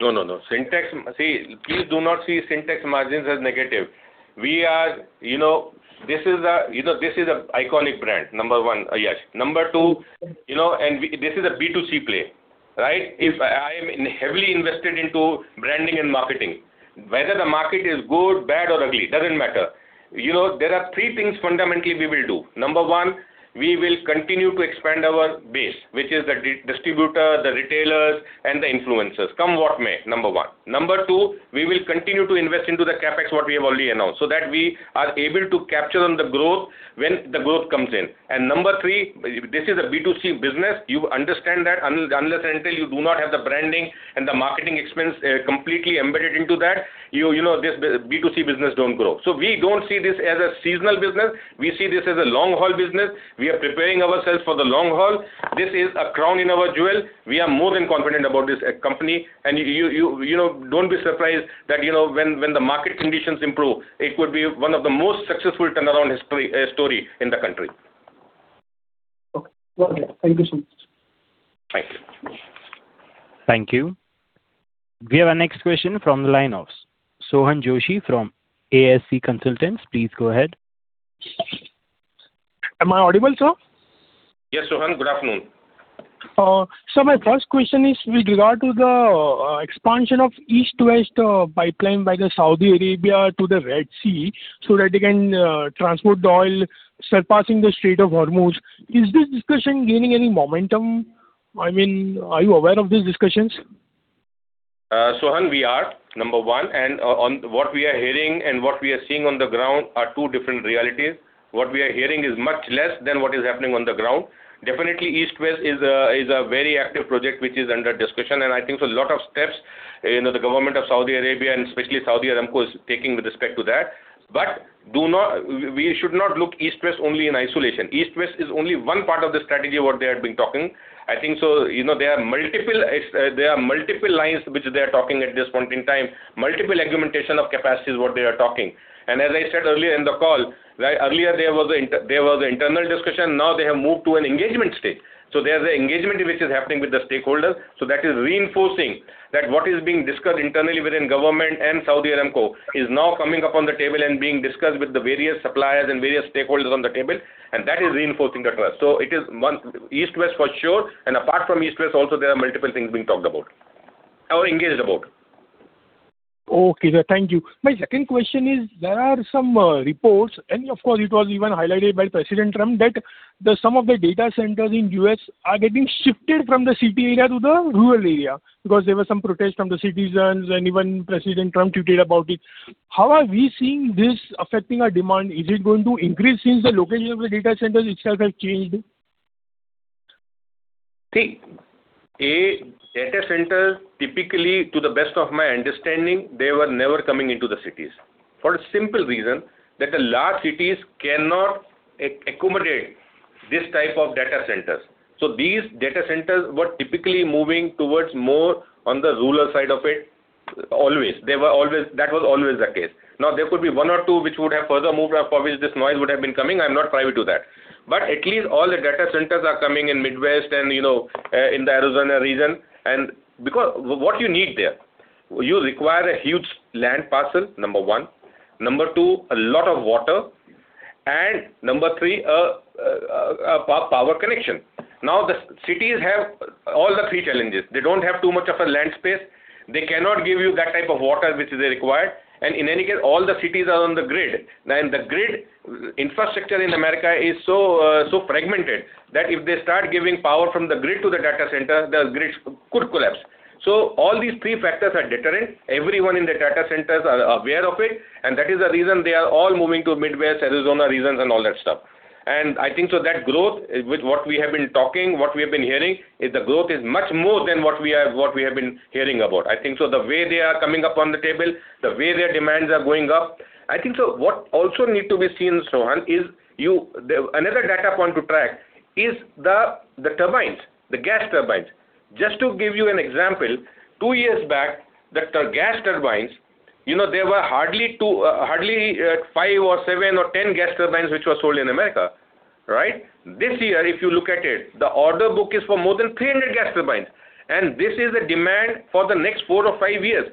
S4: No. Sintex, see, please do not see Sintex margins as negative. This is an iconic brand, number one, Yash. Number two, this is a B2C play, right? I am heavily invested into branding and marketing. Whether the market is good, bad, or ugly, doesn't matter. There are three things fundamentally we will do. Number one, we will continue to expand our base, which is the distributor, the retailers, and the influencers, come what may, number one. Number two, we will continue to invest into the CapEx what we have already announced, so that we are able to capture on the growth when the growth comes in. Number three, this is a B2C business. You understand that unless and until you do not have the branding and the marketing expense completely embedded into that, this B2C business don't grow. We don't see this as a seasonal business. We see this as a long haul business. We are preparing ourselves for the long haul. This is a crown in our jewel. We are more than confident about this company. Don't be surprised that when the market conditions improve, it could be one of the most successful turnaround story in the country.
S15: Okay. Thank you so much.
S4: Thank you.
S1: Thank you. We have our next question from the line of Sohan Joshi from ASC consultants. Please go ahead.
S16: Am I audible, sir?
S4: Yes, Sohan, good afternoon.
S16: Sir, my first question is with regard to the expansion of East-West pipeline by the Saudi Arabia to the Red Sea so that they can transport the oil surpassing the Strait of Hormuz. Is this discussion gaining any momentum? I mean, are you aware of these discussions?
S4: Sohan, we are, number one. On what we are hearing and what we are seeing on the ground are two different realities. What we are hearing is much less than what is happening on the ground. Definitely East-West is a very active project which is under discussion, and I think so a lot of steps The Government of Saudi Arabia and especially Saudi Aramco is taking with respect to that. We should not look East-West only in isolation. East-West is only one part of the strategy, what they have been talking. I think so, there are multiple lines which they are talking at this point in time, multiple augmentation of capacities, what they are talking. As I said earlier in the call, earlier there was internal discussion. Now they have moved to an engagement stage. There's the engagement which is happening with the stakeholders. That is reinforcing that what is being discussed internally within government and Saudi Aramco is now coming up on the table and being discussed with the various suppliers and various stakeholders on the table, that is reinforcing that for us. It is East-West for sure, apart from East-West also, there are multiple things being talked about or engaged about.
S16: Okay, sir. Thank you. My second question is, there are some reports, of course, it was even highlighted by President Trump, that some of the data centers in U.S. are getting shifted from the city area to the rural area because there were some protests from the citizens, even President Trump tweeted about it. How are we seeing this affecting our demand? Is it going to increase since the location of the data centers itself has changed?
S4: See, A, data center, typically, to the best of my understanding, they were never coming into the cities, for a simple reason that the large cities cannot accommodate this type of data centers. These data centers were typically moving towards more on the rural side of it always. That was always the case. There could be one or two which would have further moved, for which this noise would have been coming. I'm not privy to that. At least all the data centers are coming in Midwest and in the Arizona region. Because what you need there? You require a huge land parcel, number one. Number two, a lot of water. Number three, a power connection. The cities have all the three challenges. They don't have too much of a land space. They cannot give you that type of water which is required. In any case, all the cities are on the grid. The grid infrastructure in America is so fragmented that if they start giving power from the grid to the data center, the grid could collapse. All these three factors are deterrent. Everyone in the data centers are aware of it, that is the reason they are all moving to Midwest, Arizona regions, and all that stuff. I think so that growth with what we have been talking, what we have been hearing, is the growth is much more than what we have been hearing about. I think so the way they are coming up on the table, the way their demands are going up. I think so what also need to be seen, Sohan, another data point to track is the turbines, the gas turbines. Just to give you an example, two years back, the gas turbines, there were hardly five or seven or 10 gas turbines which were sold in America. Right. This year, if you look at it, the order book is for more than 300 gas turbines, and this is a demand for the next four or five years.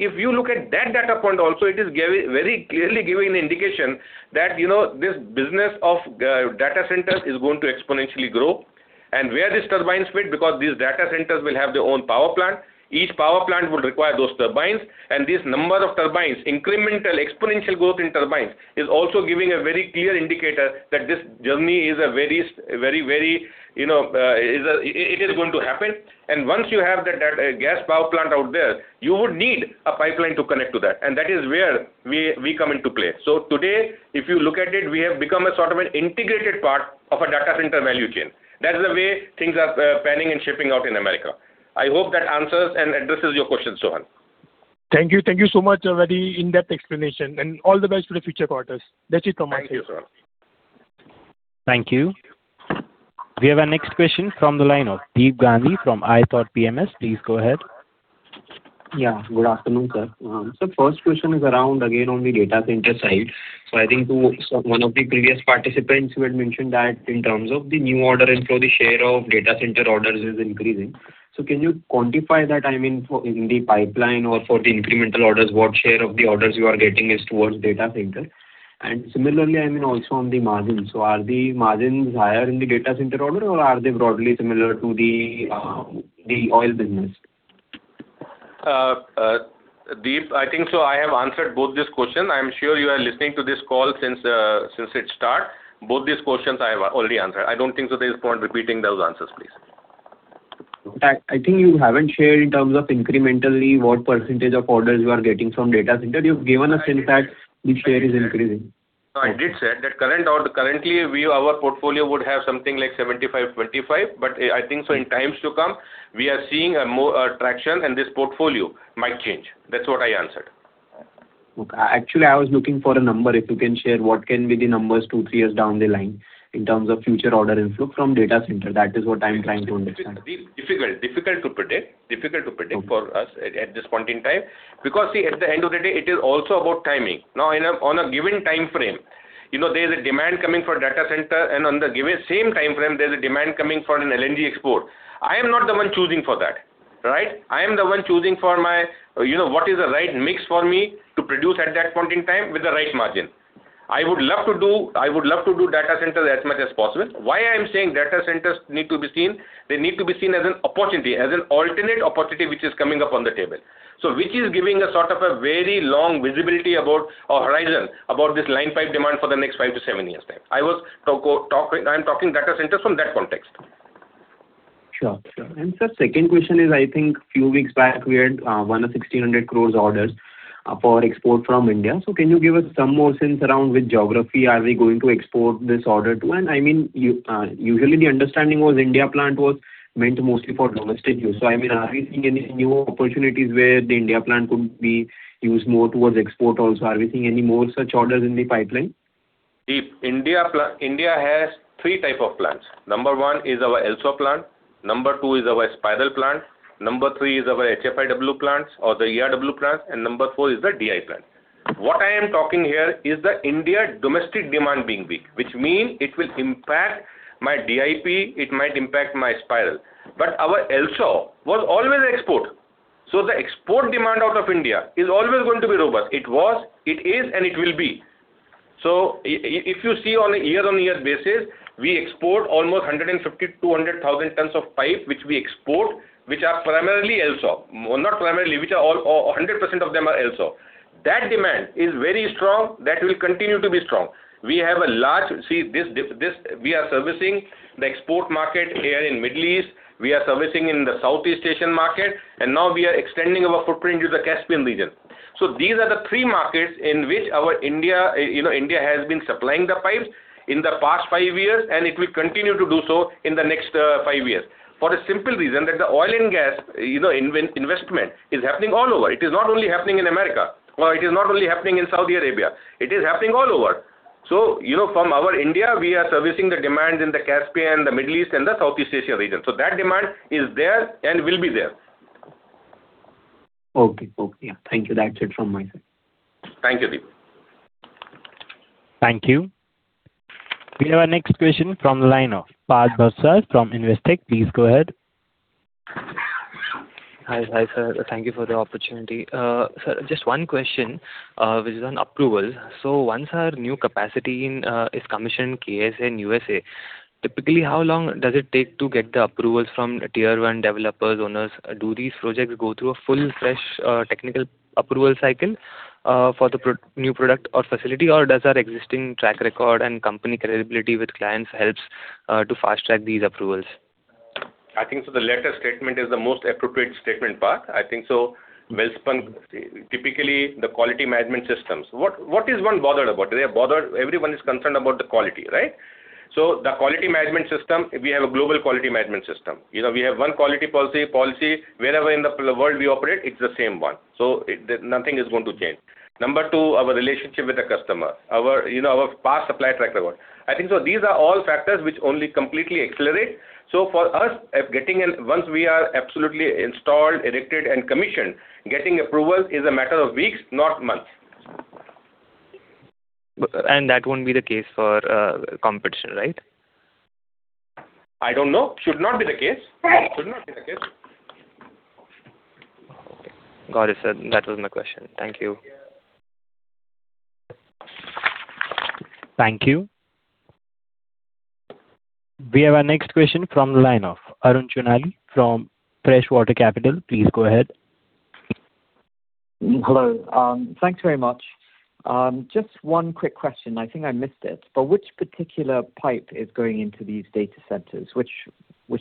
S4: If you look at that data point also, it is very clearly giving an indication that this business of data centers is going to exponentially grow. Where these turbines fit, because these data centers will have their own power plant. Each power plant would require those turbines, and this number of turbines, incremental, exponential growth in turbines, is also giving a very clear indicator that this journey is going to happen. Once you have that gas power plant out there, you would need a pipeline to connect to that, and that is where we come into play. Today, if you look at it, we have become a sort of an integrated part of a data center value chain. That is the way things are panning and shaping out in America. I hope that answers and addresses your question, Sohan.
S16: Thank you. Thank you so much. A very in-depth explanation, and all the best for the future quarters. That's it from my side.
S4: Thank you, sir.
S1: Thank you. We have our next question from the line of Deep Gandhi from ithoughtPMS. Please go ahead.
S17: Yeah, good afternoon, sir. Sir, first question is around, again, on the data center side. I think one of the previous participants who had mentioned that in terms of the new order inflow, the share of data center orders is increasing. Can you quantify that, I mean, in the pipeline or for the incremental orders, what share of the orders you are getting is towards data center? And similarly, I mean also on the margins. Are the margins higher in the data center order, or are they broadly similar to the oil business?
S4: Deep, I think so I have answered both these questions. I am sure you are listening to this call since it start. Both these questions I have already answered. I don't think so there is point repeating those answers, please.
S17: I think you haven't shared in terms of incrementally what percentage of orders you are getting from data center. You've given a sense that the share is increasing.
S4: No, I did say that currently our portfolio would have something like 75/25, but I think so in times to come, we are seeing a traction and this portfolio might change. That's what I answered.
S17: Okay. Actually, I was looking for a number. If you can share what can be the numbers two, three years down the line in terms of future order inflow from data center. That is what I'm trying to understand.
S4: Difficult to predict for us at this point in time. See, at the end of the day, it is also about timing. Now, on a given time frame, there's a demand coming for data center, and on the same time frame, there's a demand coming for an LNG export. I am not the one choosing for that, right? I am the one choosing for what is the right mix for me to produce at that point in time with the right margin. I would love to do data centers as much as possible. Why I am saying data centers need to be seen, they need to be seen as an opportunity, as an alternate opportunity which is coming up on the table. Which is giving a sort of a very long visibility about our horizon, about this line pipe demand for the next five to seven years time. I am talking data centers from that context.
S17: Sure. Sir, second question is, I think few weeks back, we had won 1,600 crore orders for export from India. Can you give us some more sense around which geography are we going to export this order to? Usually the understanding was India plant was meant mostly for domestic use. Are we seeing any new opportunities where the India plant could be used more towards export also? Are we seeing any more such orders in the pipeline?
S4: India has three type of plants. Number one is our LSAW plant, number two is our Spiral plant, number three is our HFIW plants or the ERW plants, and number four is the DI plant. What I am talking here is the India domestic demand being big, which means it will impact my DIP, it might impact my Spiral. Our LSAW was always export. The export demand out of India is always going to be robust. It was, it is, and it will be. If you see on a year-on-year basis, we export almost 150,000 tons-200,000 tons of pipe, which we export, which are primarily LSAW. Not primarily, which are all 100% of them are LSAW. That demand is very strong. That will continue to be strong. We are servicing the export market here in Middle East, we are servicing in the Southeast Asian market, and now we are extending our footprint to the Caspian region. These are the three markets in which India has been supplying the pipes in the past five years, and it will continue to do so in the next five years. For the simple reason that the oil and gas investment is happening all over. It is not only happening in America, or it is not only happening in Saudi Arabia. It is happening all over. From our India, we are servicing the demands in the Caspian, the Middle East, and the Southeast Asia region. That demand is there and will be there.
S17: Okay. Yeah. Thank you. That's it from my side.
S4: Thank you, Deep.
S1: Thank you. We have our next question from the line of Parth Bhavsar from Investec. Please go ahead.
S7: Hi, sir. Thank you for the opportunity. Sir, just one question, which is on approval. Once our new capacity is commissioned, K.S.A. and U.S.A., typically how long does it take to get the approvals from tier 1 developers, owners? Do these projects go through a full fresh technical approval cycle for the new product or facility, or does our existing track record and company credibility with clients helps to fast-track these approvals?
S4: I think so the latter statement is the most appropriate statement, Parth. I think so Welspun, typically the quality management systems. What is one bothered about? Everyone is concerned about the quality, right? The quality management system, we have a global quality management system. We have one quality policy. Wherever in the world we operate, it's the same one. Nothing is going to change. Number two, our relationship with the customer. Our past supply track record. I think so these are all factors which only completely accelerate. For us, once we are absolutely installed, erected, and commissioned, getting approvals is a matter of weeks, not months.
S7: That won't be the case for competition, right?
S4: I don't know. Should not be the case.
S7: Okay. Got it, sir. That was my question. Thank you.
S1: Thank you. We have our next question from the line of Arun Chulani from First Water Capital. Please go ahead.
S18: Hello. Thanks very much. Just one quick question. I think I missed it, which particular pipe is going into these data centers? Which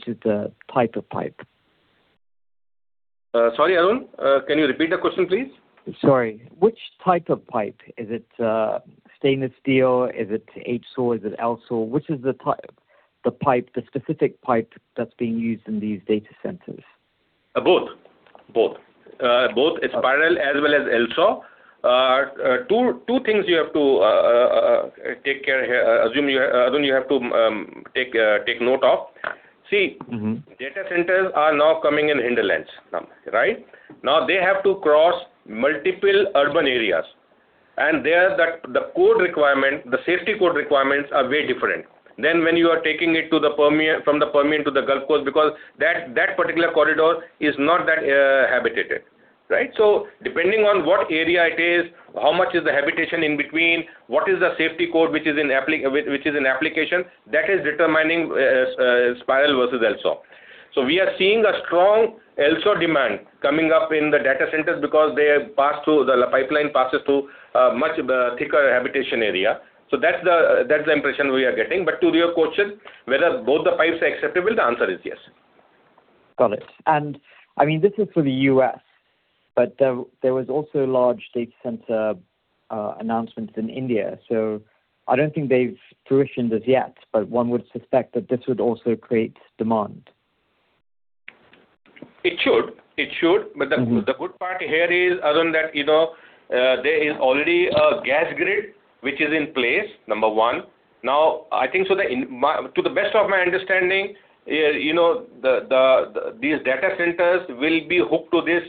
S18: is the type of pipe?
S4: Sorry, Arun. Can you repeat the question, please?
S18: Sorry. Which type of pipe? Is it stainless steel? Is it HSAW? Is it LSAW? Which is the specific pipe that's being used in these data centers?
S4: Both. Spiral as well as LSAW. Two things, Arun, you have to take note of. Data centers are now coming in hinterlands. They have to cross multiple urban areas, and there the safety code requirements are very different than when you are taking it from the Permian to the Gulf Coast because that particular corridor is not that habitated. Depending on what area it is, how much is the habitation in between, what is the safety code which is in application, that is determining Spiral versus LSAW. We are seeing a strong LSAW demand coming up in the data centers because the pipeline passes through much thicker habitation area. That's the impression we are getting. To your question, whether both the pipes are acceptable, the answer is yes.
S18: Got it. This is for the U.S., there was also large data center announcements in India, I don't think they've fruitioned as yet, one would suspect that this would also create demand.
S4: It should. The good part here is, Arun, that there is already a gas grid which is in place, number one. I think to the best of my understanding, these data centers will be hooked to this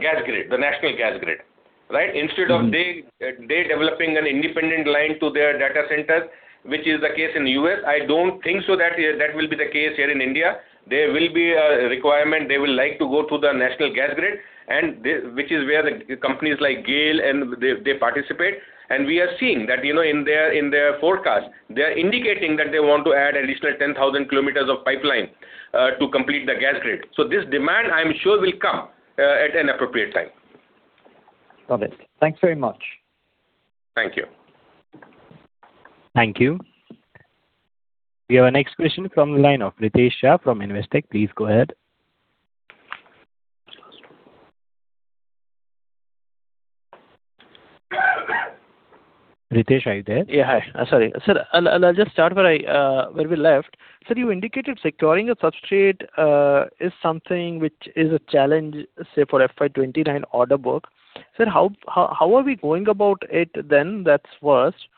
S4: gas grid, the national gas grid. Instead of they developing an independent line to their data centers, which is the case in the U.S., I don't think so that will be the case here in India. There will be a requirement. They will like to go through the national gas grid, which is where the companies like GAIL, they participate. We are seeing that in their forecast. They're indicating that they want to add at least 10,000 km of pipeline to complete the gas grid. This demand, I am sure, will come at an appropriate time.
S18: Got it. Thanks very much.
S4: Thank you.
S1: Thank you. We have our next question from the line of Ritesh Shah from Investec. Please go ahead. Ritesh, are you there?
S14: Yeah. Hi. Sorry. Sir, I'll just start where we left. Sir, you indicated securing a substrate is something which is a challenge, say, for FY 2029 order book. Sir, how are we going about it then? That's first.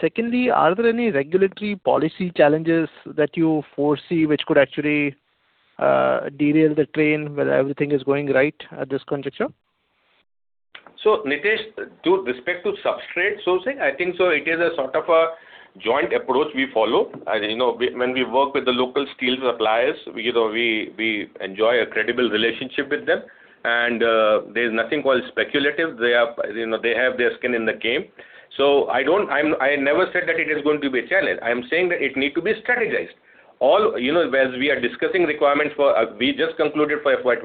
S14: Secondly, are there any regulatory policy challenges that you foresee which could actually derail the train where everything is going right at this juncture?
S4: Ritesh, with respect to substrate sourcing, I think it is a sort of a joint approach we follow. When we work with the local steel suppliers, we enjoy a credible relationship with them, and there's nothing called speculative. They have their skin in the game. I never said that it is going to be a challenge. I am saying that it need to be strategized. As we are discussing requirements, we just concluded for FY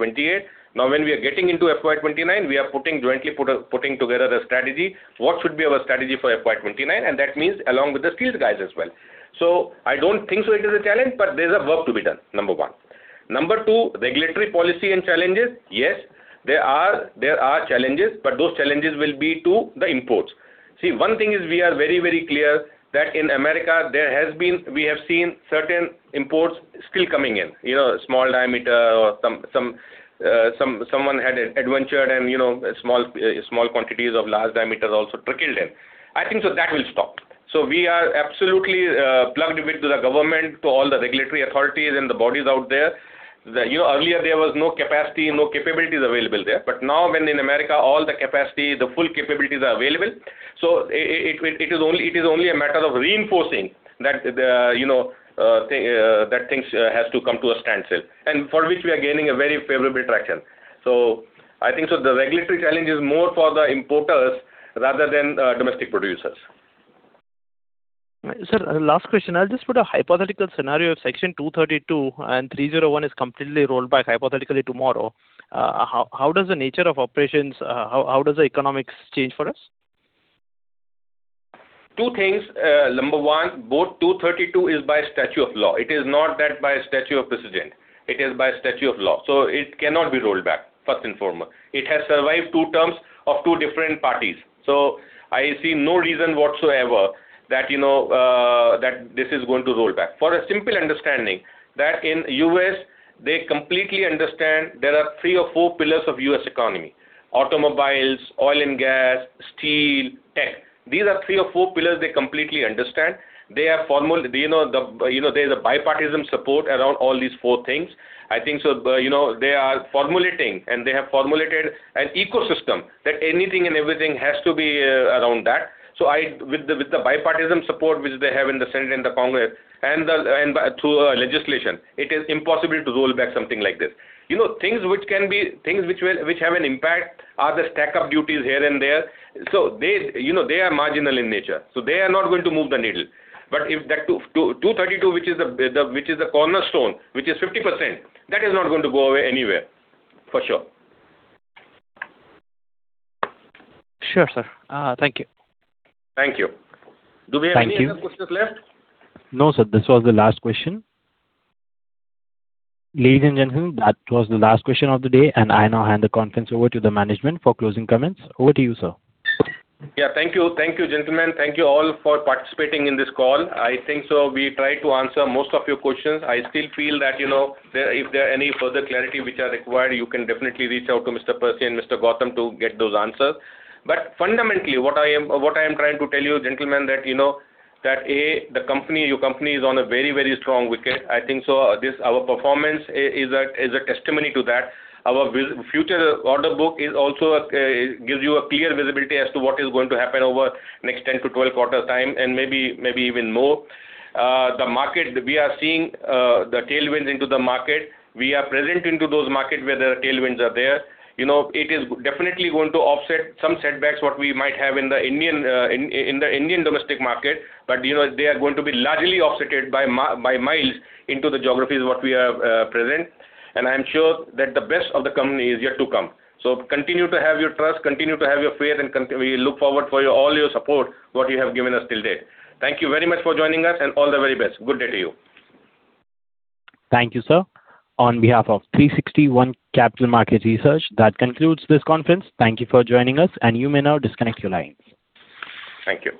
S4: 2028. When we are getting into FY 2029, we are jointly putting together the strategy. What should be our strategy for FY 2029? That means along with the steel guys as well. I don't think it is a challenge, but there's work to be done, number one. Number two, regulatory policy and challenges. Yes, there are challenges, but those challenges will be to the imports. One thing is we are very clear that in America, we have seen certain imports still coming in. Small diameter or someone had adventured and small quantities of large diameters also trickled in. I think that will stop. We are absolutely plugged into the government, to all the regulatory authorities, and the bodies out there. Earlier there was no capacity, no capabilities available there. Now when in America, all the capacity, the full capabilities are available, it is only a matter of reinforcing that things have to come to a standstill, and for which we are gaining a very favorable traction. I think the regulatory challenge is more for the importers rather than domestic producers.
S14: Sir, last question. I'll just put a hypothetical scenario of Section 232 and 301 is completely rolled back hypothetically tomorrow. How does the nature of operations, how does the economics change for us?
S4: Two things. Number one, both 232 is by statute of law. It is not that by statute of precedent. It is by statute of law, it cannot be rolled back, first and foremost. It has survived two terms of two different parties. I see no reason whatsoever that this is going to roll back. For a simple understanding, that in the U.S., they completely understand there are three or four pillars of U.S. economy, automobiles, oil and gas, steel, tech. These are three or four pillars they completely understand. There's a bipartisan support around all these four things. I think they are formulating, and they have formulated an ecosystem that anything and everything has to be around that. With the bipartisan support which they have in the Senate and the Congress and through legislation, it is impossible to roll back something like this. Things which have an impact are the stack-up duties here and there. They are marginal in nature, they are not going to move the needle. If that 232, which is the cornerstone, which is 50%, that is not going to go away anywhere, for sure.
S14: Sure, sir. Thank you.
S4: Thank you. Do we have any other questions left?
S1: No, sir. This was the last question. Ladies and gentlemen, that was the last question of the day, and I now hand the conference over to the management for closing comments. Over to you, sir.
S4: Yeah. Thank you. Thank you, gentlemen. Thank you all for participating in this call. I think we tried to answer most of your questions. I still feel that if there are any further clarity which are required, you can definitely reach out to Mr. Percy and Mr. Goutam to get those answers. Fundamentally, what I am trying to tell you, gentlemen, that A. Your company is on a very strong wicket. I think our performance is a testimony to that. Our future order book also gives you a clear visibility as to what is going to happen over the next 10-12 quarter time and maybe even more. We are seeing the tailwinds into the market. We are presenting to those markets where the tailwinds are there. It is definitely going to offset some setbacks, what we might have in the Indian domestic market. They are going to be largely offset by miles into the geographies what we are present, and I am sure that the best of the company is yet to come. Continue to have your trust, continue to have your faith, and we look forward for all your support what you have given us till date. Thank you very much for joining us, and all the very best. Good day to you.
S1: Thank you, sir. On behalf of 360 ONE Capital Markets, that concludes this conference. Thank you for joining us, and you may now disconnect your lines.
S4: Thank you.